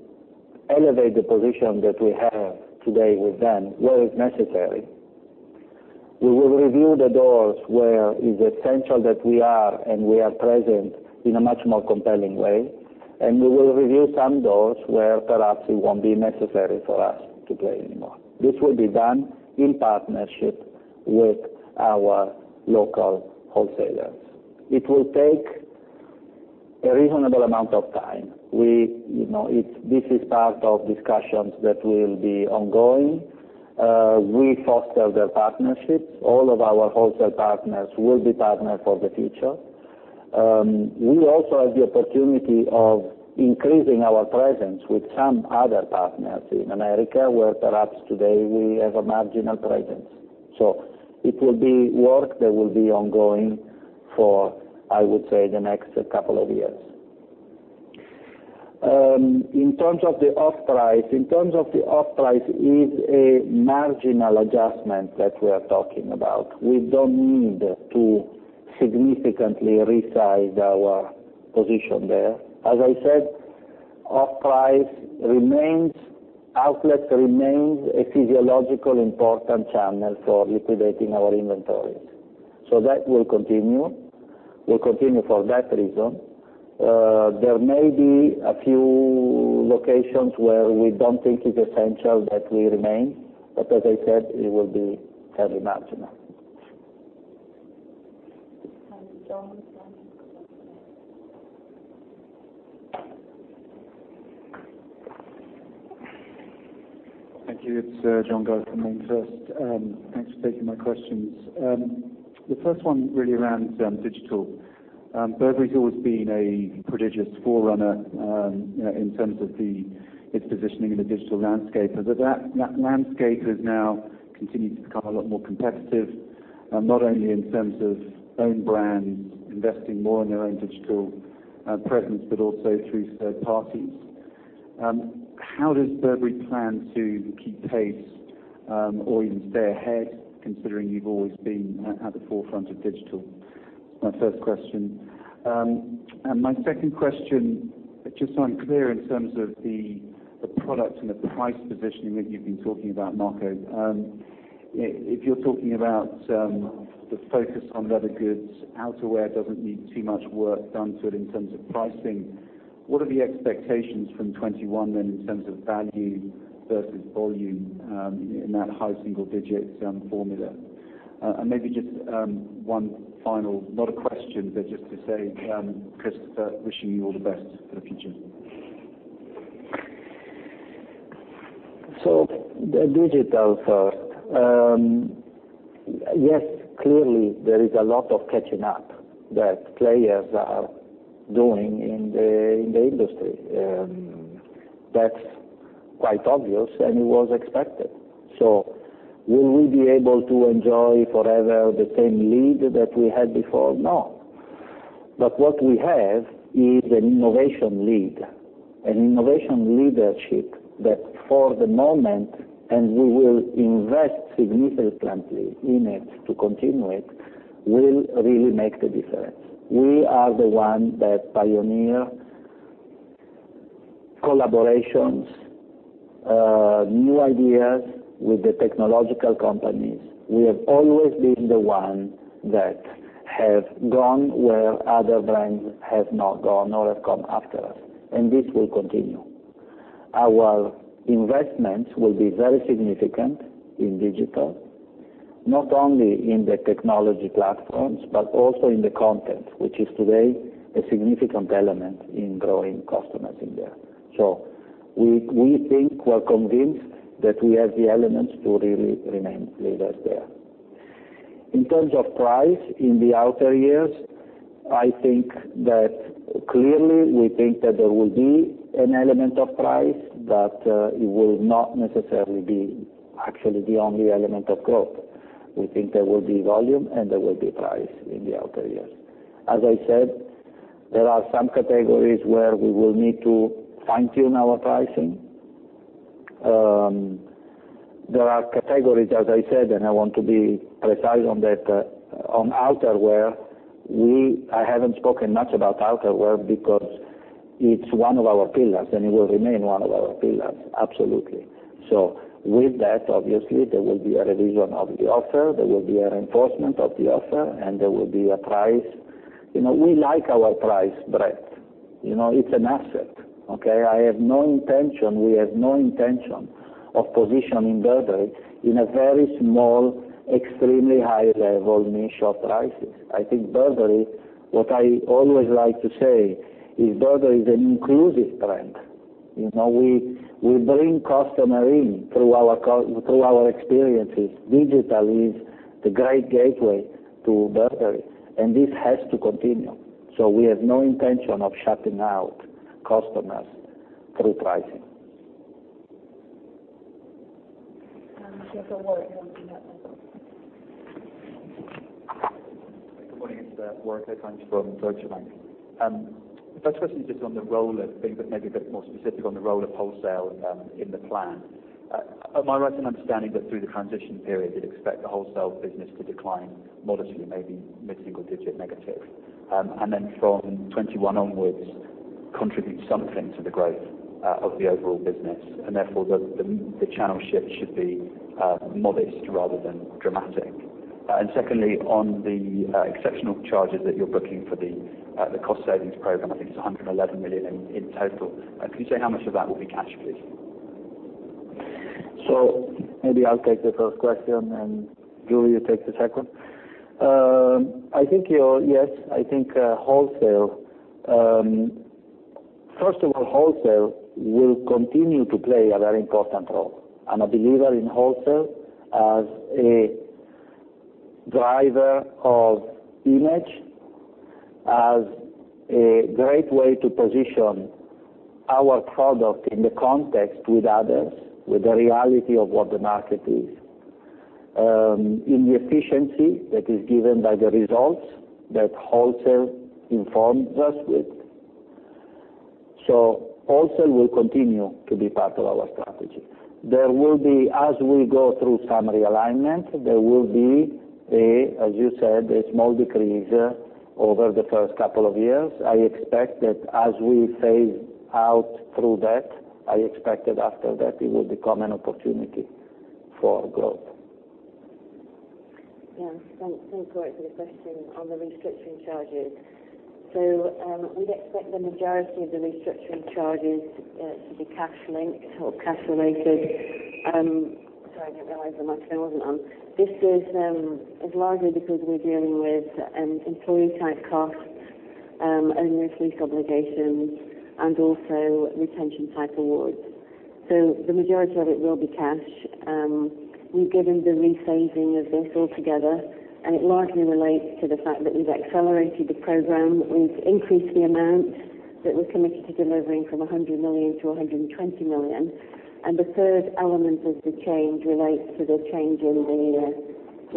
elevate the position that we have today with them where it's necessary. We will review the doors where it's essential that we are, and we are present in a much more compelling way, and we will review some doors where perhaps it won't be necessary for us to play anymore. This will be done in partnership with our local wholesalers. It will take a reasonable amount of time. This is part of discussions that will be ongoing. We foster the partnerships. All of our wholesale partners will be partners for the future. We also have the opportunity of increasing our presence with some other partners in America, where perhaps today we have a marginal presence. It will be work that will be ongoing for, I would say, the next couple of years. In terms of the off-price, it is a marginal adjustment that we are talking about. We don't need to significantly resize our position there. As I said, off-price remains, outlet remains a physiologically important channel for liquidating our inventories. That will continue. We'll continue for that reason. There may be a few locations where we don't think it's essential that we remain, but as I said, it will be very marginal. John from. Thank you. It's John Guy from Morgan Stanley. Thanks for taking my questions. The first one really around digital. Burberry has always been a prodigious forerunner in terms of its positioning in the digital landscape. That landscape has now continued to become a lot more competitive, not only in terms of own brands investing more in their own digital presence, but also through third parties. How does Burberry plan to keep pace, or even stay ahead, considering you've always been at the forefront of digital? That's my first question. My second question, just so I'm clear in terms of the product and the price positioning that you've been talking about, Marco. If you're talking about the focus on leather goods, outerwear doesn't need too much work done to it in terms of pricing. What are the expectations from 2021, then, in terms of value versus volume, in that high single digits formula? Maybe just one final, not a question, but just to say, Christopher, wishing you all the best for the future. The digital first. Yes, clearly, there is a lot of catching up that players are doing in the industry. That's quite obvious, and it was expected. Will we be able to enjoy forever the same lead that we had before? No. What we have is an innovation lead, an innovation leadership that for the moment, and we will invest significantly in it to continue it, will really make the difference. We are the ones that pioneer collaborations, new ideas with the technological companies. We have always been the ones that have gone where other brands have not gone or have come after us, and this will continue. Our investments will be very significant in digital, not only in the technology platforms, but also in the content, which is today a significant element in growing customers in there. We think, we're convinced that we have the elements to really remain leaders there. In terms of price in the outer years, I think that clearly, we think that there will be an element of price, but it will not necessarily be actually the only element of growth. We think there will be volume, and there will be price in the outer years. As I said, there are some categories where we will need to fine-tune our pricing. There are categories, as I said, and I want to be precise on that, on outerwear. I haven't spoken much about outerwear because it's one of our pillars, and it will remain one of our pillars, absolutely. With that, obviously, there will be a revision of the offer, there will be a reinforcement of the offer, and there will be a price. We like our price breadth. It's an asset. Okay? I have no intention, we have no intention of positioning Burberry in a very small, extremely high-level niche of prices. I think Burberry, what I always like to say is Burberry is an inclusive brand. We bring customers in through our experiences. Digital is the great gateway to Burberry, and this has to continue. We have no intention of shutting out customers through pricing. Also Warrick from Deutsche Bank. Good morning. It is Warrick Heinz from Deutsche Bank. The first question is just on the role of things, but maybe a bit more specific on the role of wholesale in the plan. Am I right in understanding that through the transition period, you would expect the wholesale business to decline modestly, maybe mid-single digit negative? From 2021 onwards, contribute something to the growth of the overall business, and therefore the channel shift should be modest rather than dramatic. Secondly, on the exceptional charges that you are booking for the cost savings program, I think it is 111 million in total. Can you say how much of that will be cash, please? Maybe I will take the first question, and Julie will take the second. First of all, wholesale will continue to play a very important role. I am a believer in wholesale as a driver of image, as a great way to position our product in the context with others, with the reality of what the market is, in the efficiency that is given by the results that wholesale informs us with. Wholesale will continue to be part of our strategy. As we go through some realignment, there will be, as you said, a small decrease over the first couple of years. I expect that as we phase out through that, I expect that after that it will become an opportunity for growth. Thanks very much for the question on the restructuring charges. We would expect the majority of the restructuring charges to be cash linked or cash related. Sorry, I did not realize my microphone was not on. This is largely because we are dealing with employee type costs, onerous lease obligations, and also retention type awards. The majority of it will be cash. We have given the rephasing of this all together, and it largely relates to the fact that we have accelerated the program. We have increased the amount that we are committed to delivering from 100 million to 120 million. The third element of the change relates to the change in the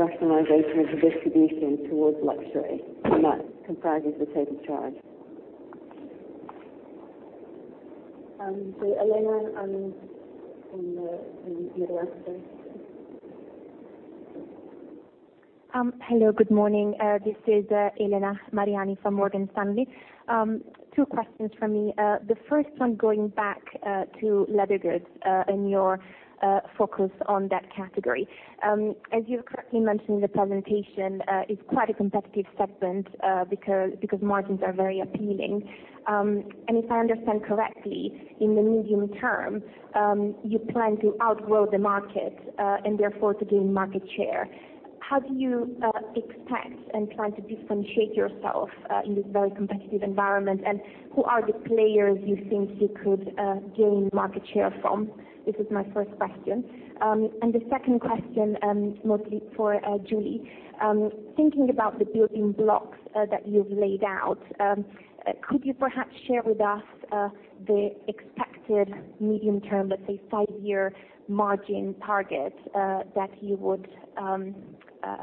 rationalization of the distribution towards luxury, and that comprises the type of charge. Elena on the other end, please. Hello, good morning. This is Elena Mariani from Morgan Stanley. Two questions from me. The first one, going back to leather goods and your focus on that category. As you correctly mentioned in the presentation, it is quite a competitive segment because margins are very appealing. If I understand correctly, in the medium term, you plan to outgrow the market, and therefore to gain market share. How do you expect and plan to differentiate yourself in this very competitive environment, and who are the players you think you could gain market share from? This is my first question. The second question, mostly for Julie. Thinking about the building blocks that you've laid out, could you perhaps share with us the expected medium term, let's say, five-year margin target that you would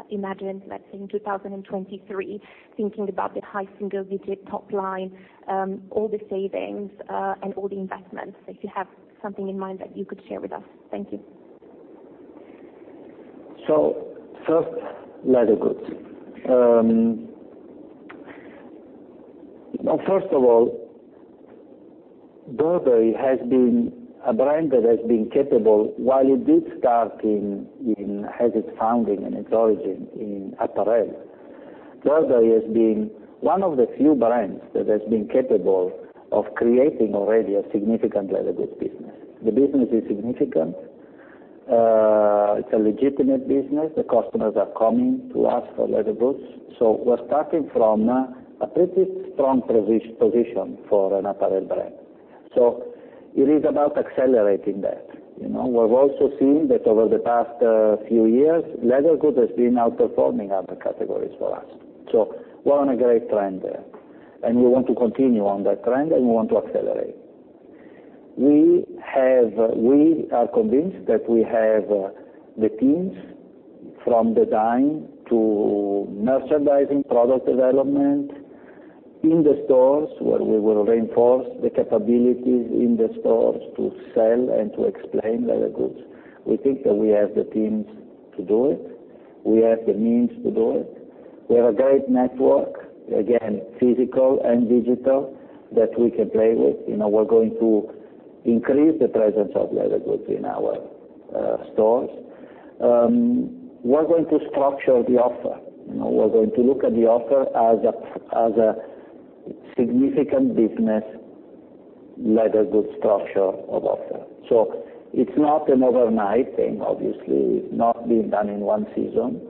imagine, let's say in 2023, thinking about the high single-digit top line, all the savings, and all the investments, if you have something in mind that you could share with us? Thank you. First, leather goods. First of all, Burberry has been a brand that has been capable, while it did start in, has its founding and its origin in apparel. Burberry has been one of the few brands that has been capable of creating already a significant leather goods business. The business is significant. It's a legitimate business. The customers are coming to us for leather goods. We're starting from a pretty strong position for an apparel brand. It is about accelerating that. We've also seen that over the past few years, leather goods has been outperforming other categories for us. We're on a great trend there, and we want to continue on that trend, and we want to accelerate. We are convinced that we have the teams from design to merchandising, product development, in the stores where we will reinforce the capabilities in the stores to sell and to explain leather goods. We think that we have the teams to do it. We have the means to do it. We have a great network, again, physical and digital, that we can play with. We're going to increase the presence of leather goods in our stores. We're going to structure the offer. We're going to look at the offer as a significant business leather goods structure of offer. It's not an overnight thing, obviously. It's not being done in one season.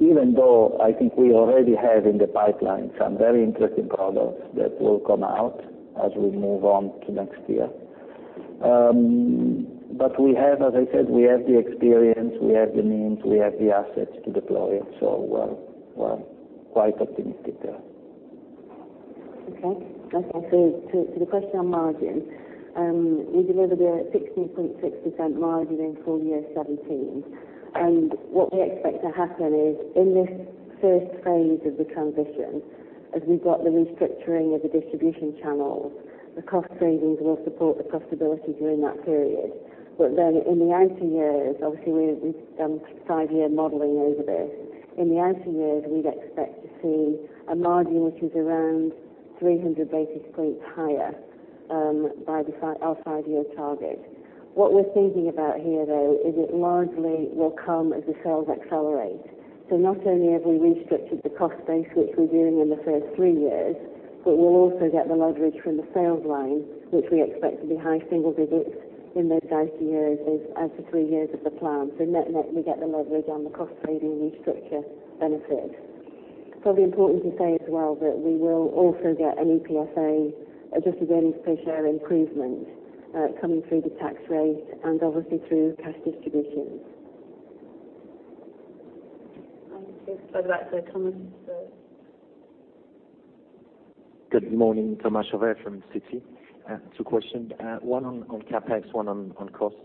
Even though I think we already have in the pipeline some very interesting products that will come out as we move on to next year. As I said, we have the experience, we have the means, we have the assets to deploy it. We're quite optimistic there. To the question on margin, we delivered a 16.6% margin in full year 2017. What we expect to happen is in this first phase of the transition, as we've got the restructuring of the distribution channels, the cost savings will support the profitability during that period. In the outer years, obviously, we've done five-year modeling over this. In the outer years, we'd expect to see a margin which is around 300 basis points higher by our five-year target. What we're thinking about here, though, is it largely will come as the sales accelerate. Not only have we restructured the cost base, which we're doing in the first three years, but we'll also get the leverage from the sales line, which we expect to be high single digits in those (IC years) as the three years of the plan. Net, we get the leverage on the cost saving restructure benefit. It's probably important to say as well that we will also get an EPS, adjusted earnings per share improvement, coming through the tax rate and obviously through cash distributions. Just at the back there, Thomas. Good morning. Thomas Chauvet from Citi. Two questions. One on CapEx, one on cost.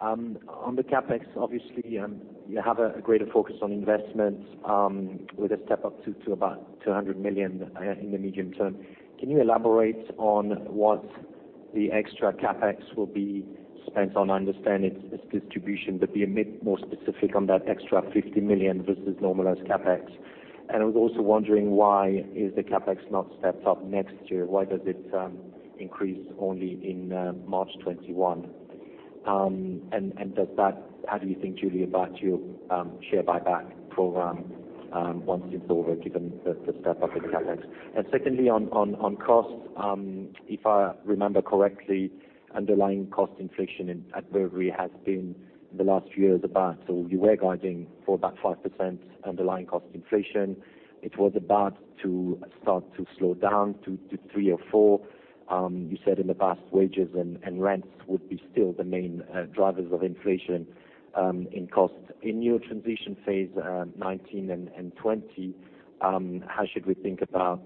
On the CapEx, obviously, you have a greater focus on investments with a step up to about 200 million in the medium term. Can you elaborate on what the extra CapEx will be spent on? I understand it's distribution, but be a bit more specific on that extra 50 million versus normalized CapEx. Why is the CapEx not stepped up next year? Why does it increase only in March 2021? How do you think, Julie, about your share buyback program once it's over, given the step up in CapEx? Secondly, on cost. If I remember correctly, underlying cost inflation at Burberry has been the last few years about, you were guiding for about 5% underlying cost inflation. It was about to start to slow down to three or four. You said in the past, wages and rents would be still the main drivers of inflation in costs. In your transition phase, 2019 and 2020, how should we think about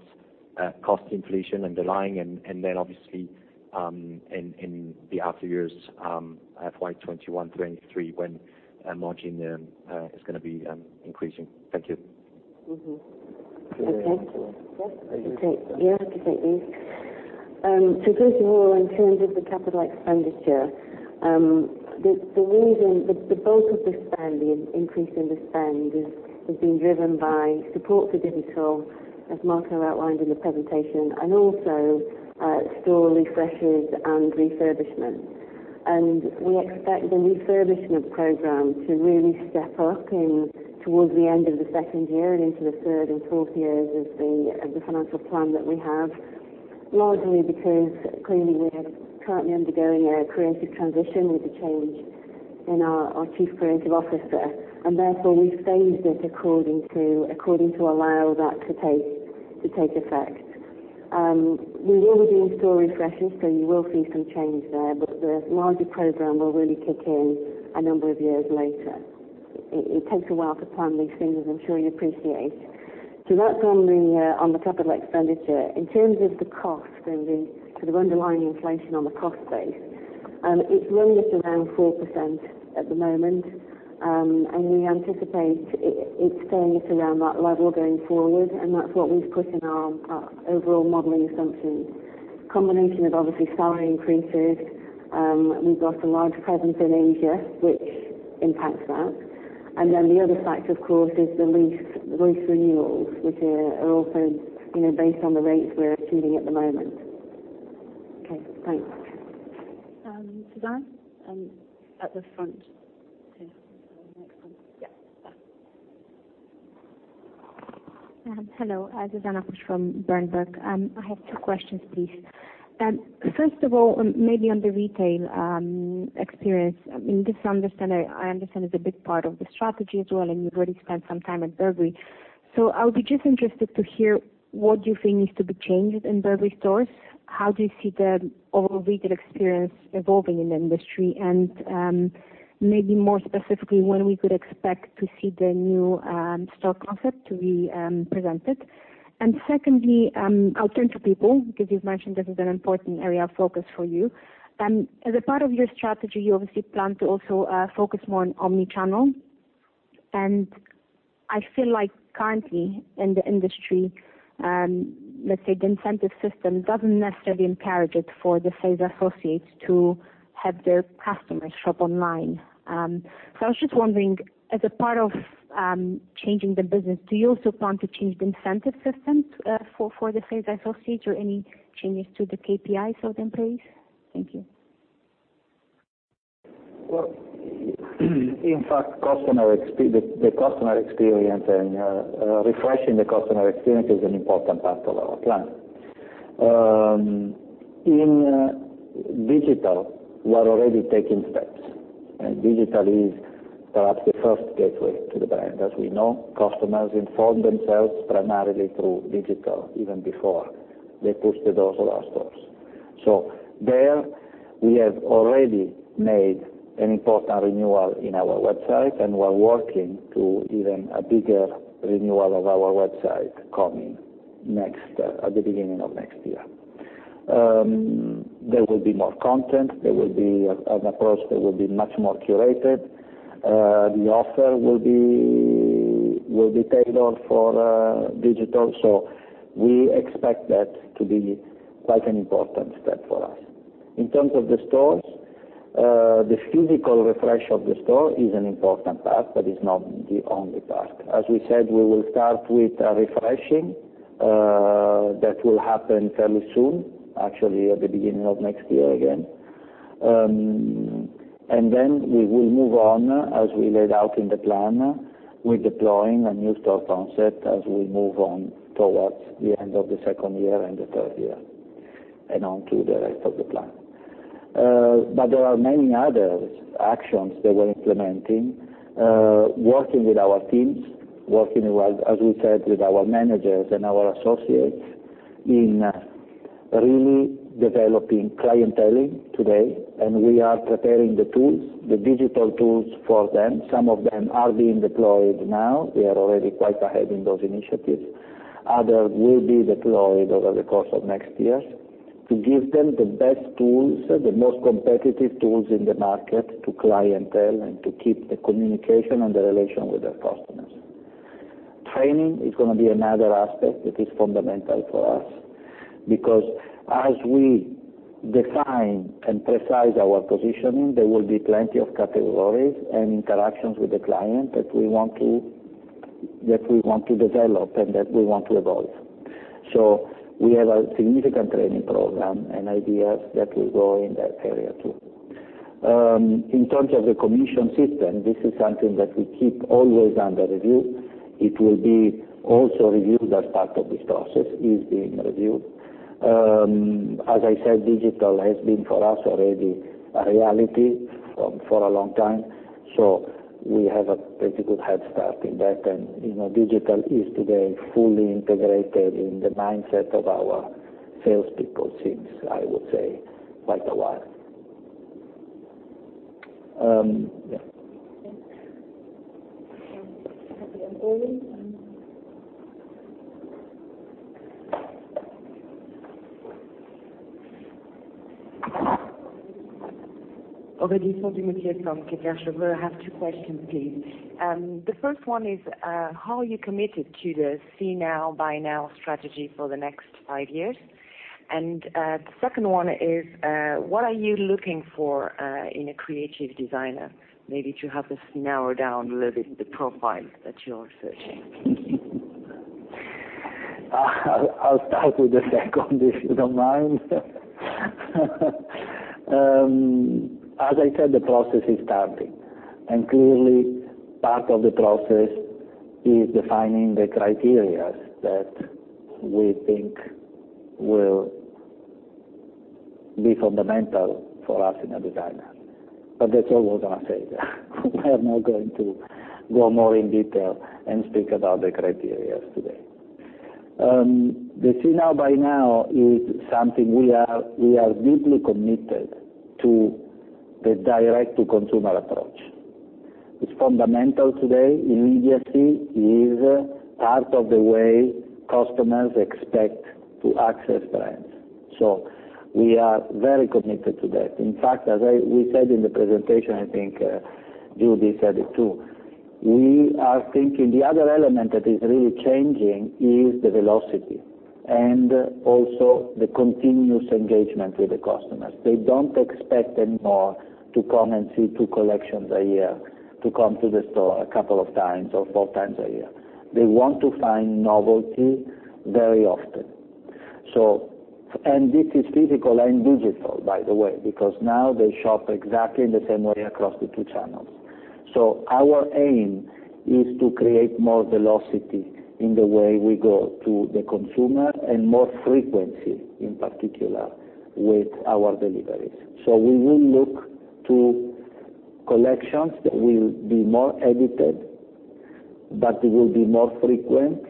cost inflation underlying and then obviously, in the after years, FY 2021, 2023, when margin is going to be increasing? Thank you. Okay. Yes, I can take these. First of all, in terms of the capital expenditure, the bulk of the spend, the increase in the spend is being driven by support for digital, as Marco outlined in the presentation, and also store refreshes and refurbishment. We expect the refurbishment program to really step up in towards the end of the second year and into the third and fourth years of the financial plan that we have, largely because clearly we are currently undergoing a creative transition with the change in our Chief Creative Officer. Therefore we've phased it according to allow that to take effect. We will be doing store refreshes, you will see some change there, but the larger program will really kick in a number of years later. It takes a while to plan these things, as I'm sure you appreciate. That's on the capital expenditure. In terms of the cost and the sort of underlying inflation on the cost base, it's really at around 4% at the moment. We anticipate it staying at around that level going forward, and that's what we've put in our overall modeling assumptions. Combination of obviously salary increases. We've got a large presence in Asia, which impacts that. Then the other factor, of course, is the lease renewals, which are also based on the rates we're achieving at the moment. Okay, thanks. Zuzanna? At the front here. Next one. Yeah. Hello. Zuzanna Kuc from Berenberg. I have two questions, please. First of all, maybe on the retail experience, I understand it's a big part of the strategy as well, and you've already spent some time at Burberry. I would be just interested to hear what you think needs to be changed in Burberry stores. How do you see the overall retail experience evolving in the industry? Maybe more specifically, when we could expect to see the new store concept to be presented? Secondly, I'll turn to people, because you've mentioned this is an important area of focus for you. As a part of your strategy, you obviously plan to also focus more on omni-channel. I feel like currently in the industry, let's say the incentive system doesn't necessarily encourage it for the sales associates to have their customers shop online. I was just wondering, as a part of changing the business, do you also plan to change the incentive system for the sales associates or any changes to the KPIs of the employees? Thank you. Well in fact, the customer experience and refreshing the customer experience is an important part of our plan. In digital, we are already taking steps, digital is perhaps the first gateway to the brand. As we know, customers inform themselves primarily through digital, even before they push the doors of our stores. There we have already made an important renewal in our website, we're working to even a bigger renewal of our website coming at the beginning of next year. There will be more content. There will be an approach that will be much more curated. The offer will be tailored for digital. We expect that to be quite an important step for us. In terms of the stores, the physical refresh of the store is an important part, it's not the only part. As we said, we will start with a refreshing that will happen fairly soon, actually at the beginning of next year again. Then we will move on, as we laid out in the plan, with deploying a new store concept as we move on towards the end of the second year and the third year, and onto the rest of the plan. There are many other actions that we're implementing, working with our teams, working, as we said, with our managers and our associates in really developing clienteling today. We are preparing the digital tools for them. Some of them are being deployed now. We are already quite ahead in those initiatives. Others will be deployed over the course of next year to give them the best tools, the most competitive tools in the market to clientele and to keep the communication and the relation with their customers. Training is going to be another aspect that is fundamental for us because as we define and precise our positioning, there will be plenty of categories and interactions with the client that we want to develop and that we want to evolve. We have a significant training program and ideas that will go in that area, too. In terms of the commission system, this is something that we keep always under review. It will be also reviewed as part of this process. As I said, digital has been for us already a reality for a long time. We have a pretty good head start in that, digital is today fully integrated in the mindset of our salespeople since, I would say, quite a while. Yeah. Thanks. We have the Aurélie from. I have two questions, please. The first one is, how are you committed to the see now, buy now strategy for the next five years? The second one is, what are you looking for in a creative designer? Maybe to help us narrow down a little bit the profile that you're searching. I'll start with the second, if you don't mind. As I said, the process is starting, clearly part of the process is defining the criteria that we think will be fundamental for us in a designer. That's all I was going to say there. We are not going to go more in detail and speak about the criteria today. The see now, buy now is something we are deeply committed to the direct-to-consumer approach. It's fundamental today. Immediacy is part of the way customers expect to access brands. We are very committed to that. In fact, as we said in the presentation, I think Julie said it, too, we are thinking the other element that is really changing is the velocity and also the continuous engagement with the customers. They don't expect anymore to come and see two collections a year, to come to the store a couple of times or four times a year. They want to find novelty very often. This is physical and digital, by the way, because now they shop exactly in the same way across the two channels. Our aim is to create more velocity in the way we go to the consumer and more frequency, in particular, with our deliveries. We will look to collections that will be more edited, but will be more frequent,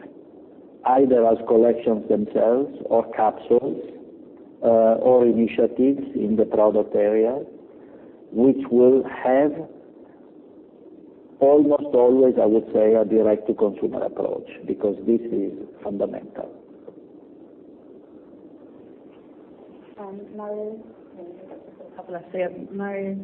either as collections themselves or capsules, or initiatives in the product area, which will have almost always, I would say, a direct-to-consumer approach because this is fundamental. Mario. A couple left. We have Mario.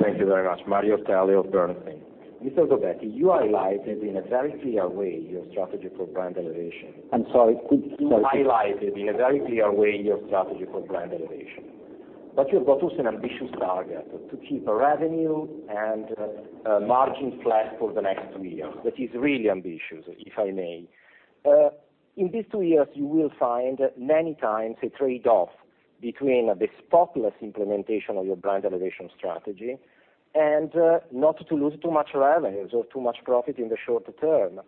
Thank you very much, Mario Ortelli of Bernstein. Mr. Gobbetti, you highlighted in a very clear way your strategy for brand elevation. I'm sorry. Highlighted in a very clear way your strategy for brand elevation. You've got also an ambitious target to keep revenue and margin flat for the next 2 years. That is really ambitious, if I may. In these 2 years, you will find many times a trade-off between the spotless implementation of your brand elevation strategy and not to lose too much revenues or too much profit in the short-term.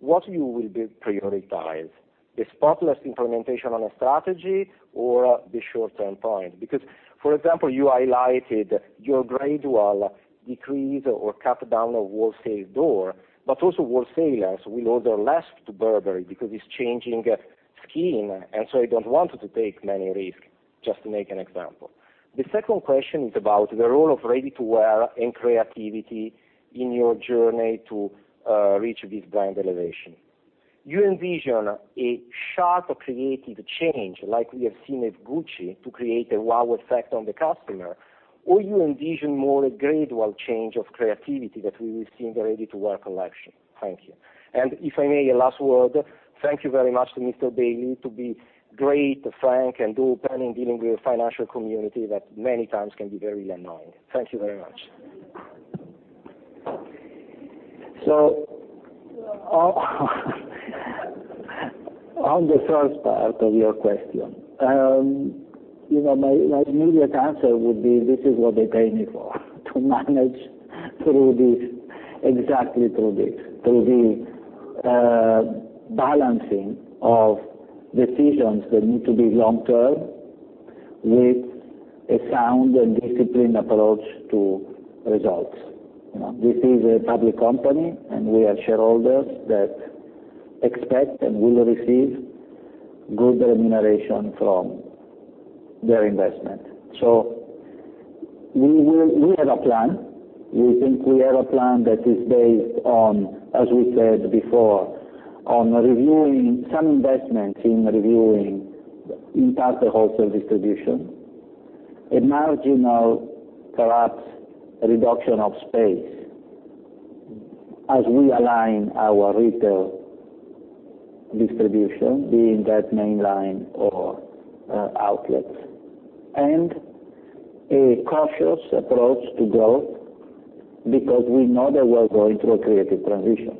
What you will prioritize, the spotless implementation on a strategy or the short-term point? Because for example, you highlighted your gradual decrease or cut down of wholesale door, but also wholesalers will order less to Burberry because it's changing scheme and they don't want to take many risk. Just to make an example. The second question is about the role of ready-to-wear and creativity in your journey to reach this brand elevation. You envision a sharp creative change, like we have seen at Gucci, to create a wow effect on the customer, or you envision more a gradual change of creativity that we will see in the ready-to-wear collection? Thank you. If I may, a last word. Thank you very much to Mr. Bailey to be great, frank, and open in dealing with the financial community that many times can be very annoying. Thank you very much. On the first part of your question, my immediate answer would be, this is what they pay me for, to manage exactly through this. Through the balancing of decisions that need to be long-term with a sound and disciplined approach to results. This is a public company, and we have shareholders that expect and will receive good remuneration from their investment. We have a plan. We think we have a plan that is based on, as we said before, on reviewing some investments, in reviewing in part the wholesale distribution. A marginal perhaps reduction of space as we align our retail distribution, be in that mainline or outlets. A cautious approach to growth because we know that we're going through a creative transition.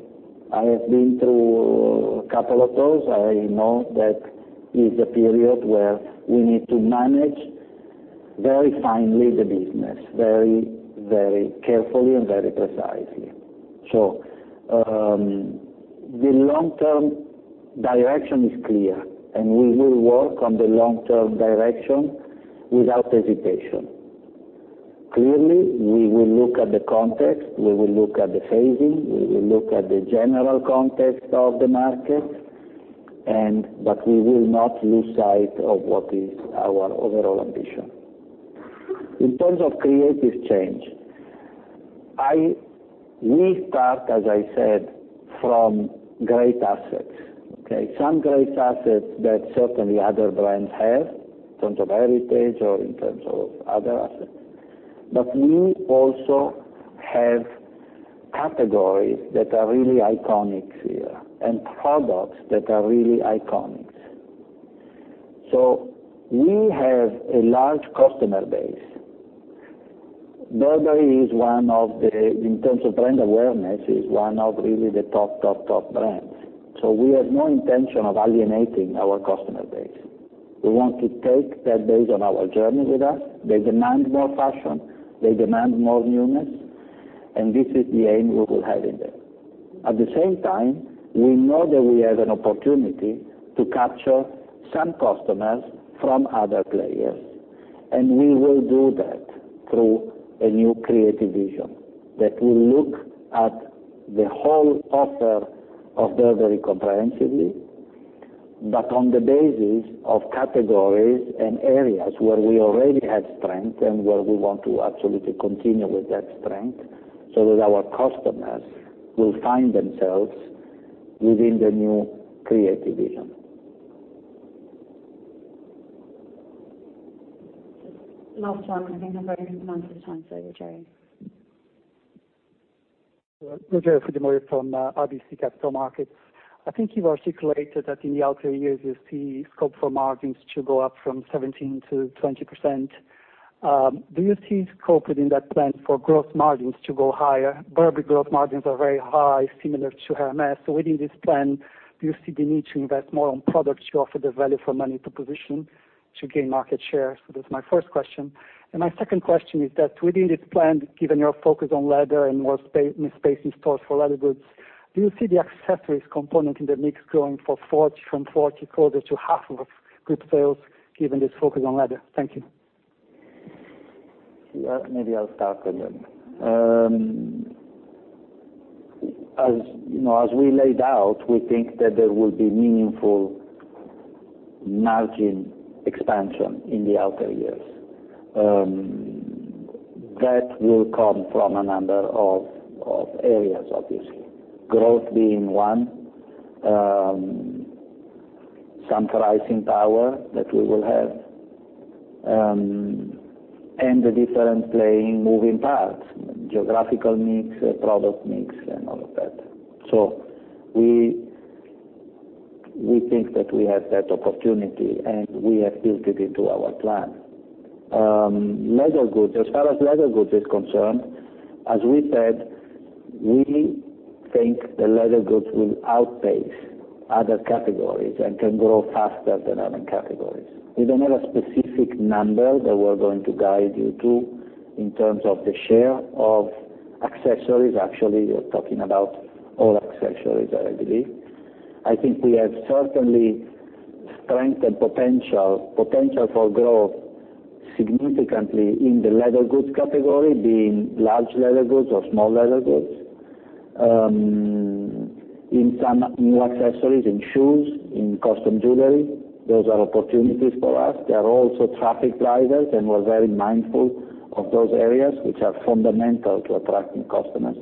I have been through a couple of those. I know that is a period where we need to manage very finely the business, very carefully and very precisely. The long-term direction is clear, and we will work on the long-term direction without hesitation. We will look at the context, we will look at the phasing, we will look at the general context of the market, but we will not lose sight of what is our overall ambition. In terms of creative change, we start, as I said, from great assets. Okay? Some great assets that certainly other brands have, in terms of heritage or in terms of other assets. We also have categories that are really iconic here and products that are really iconic. We have a large customer base. Burberry, in terms of brand awareness, is one of really the top brands. We have no intention of alienating our customer base. We want to take that base on our journey with us. They demand more fashion, they demand more newness, this is the aim we will have in there. At the same time, we know that we have an opportunity to capture some customers from other players, and we will do that through a new creative vision that will look at the whole offer of Burberry comprehensively, but on the basis of categories and areas where we already have strength and where we want to absolutely continue with that strength, so that our customers will find themselves within the new creative vision. Last one, because I think I'm running out of time. Roger. Rogerio Fujimori from RBC Capital Markets. I think you articulated that in the outer years, you see scope for margins to go up from 17%-20%. Do you see scope within that plan for gross margins to go higher? Burberry gross margins are very high, similar to Hermès. Within this plan, do you see the need to invest more on products to offer the value for money to position to gain market share? That's my first question. My second question is that within this plan, given your focus on leather and more space in stores for leather goods, do you see the accessories component in the mix growing from 40%, closer to half of group sales given this focus on leather? Thank you. Maybe I'll start. As we laid out, we think that there will be meaningful margin expansion in the outer years. That will come from a number of areas, obviously. Growth being one, some pricing power that we will have, and the different playing moving parts, geographical mix, product mix, and all of that. We think that we have that opportunity, and we have built it into our plan. As far as leather goods is concerned, as we said, we think the leather goods will outpace other categories and can grow faster than other categories. We don't have a specific number that we're going to guide you to in terms of the share of accessories. Actually, you're talking about all accessories, I believe. I think we have certainly strengthened potential for growth significantly in the leather goods category, being large leather goods or small leather goods. In some new accessories, in shoes, in costume jewelry, those are opportunities for us. They are also traffic drivers, and we're very mindful of those areas, which are fundamental to attracting customers.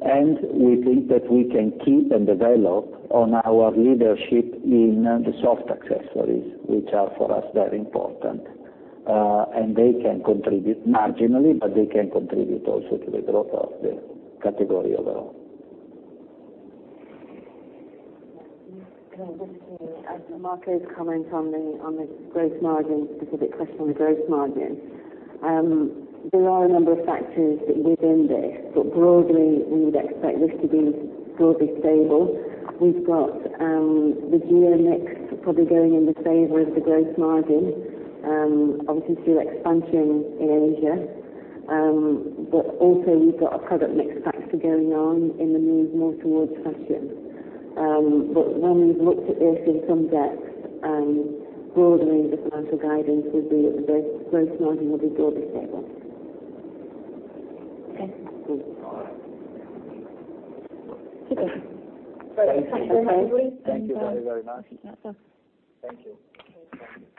We think that we can keep and develop on our leadership in the soft accessories, which are for us very important. They can contribute marginally, but they can contribute also to the growth of the category overall. Marco's comment on the specific question on gross margin. There are a number of factors within this, but broadly, we would expect this to be broadly stable. We've got the geo mix probably going in the favor of the gross margin, obviously through expansion in Asia. Also we've got a product mix factor going on in the move more towards fashion. When we've looked at this in some depth, broadly, the financial guidance would be that the gross margin will be broadly stable. Okay, cool. Thank you. Thanks everybody. Thank you very much. I think that's us. Thank you.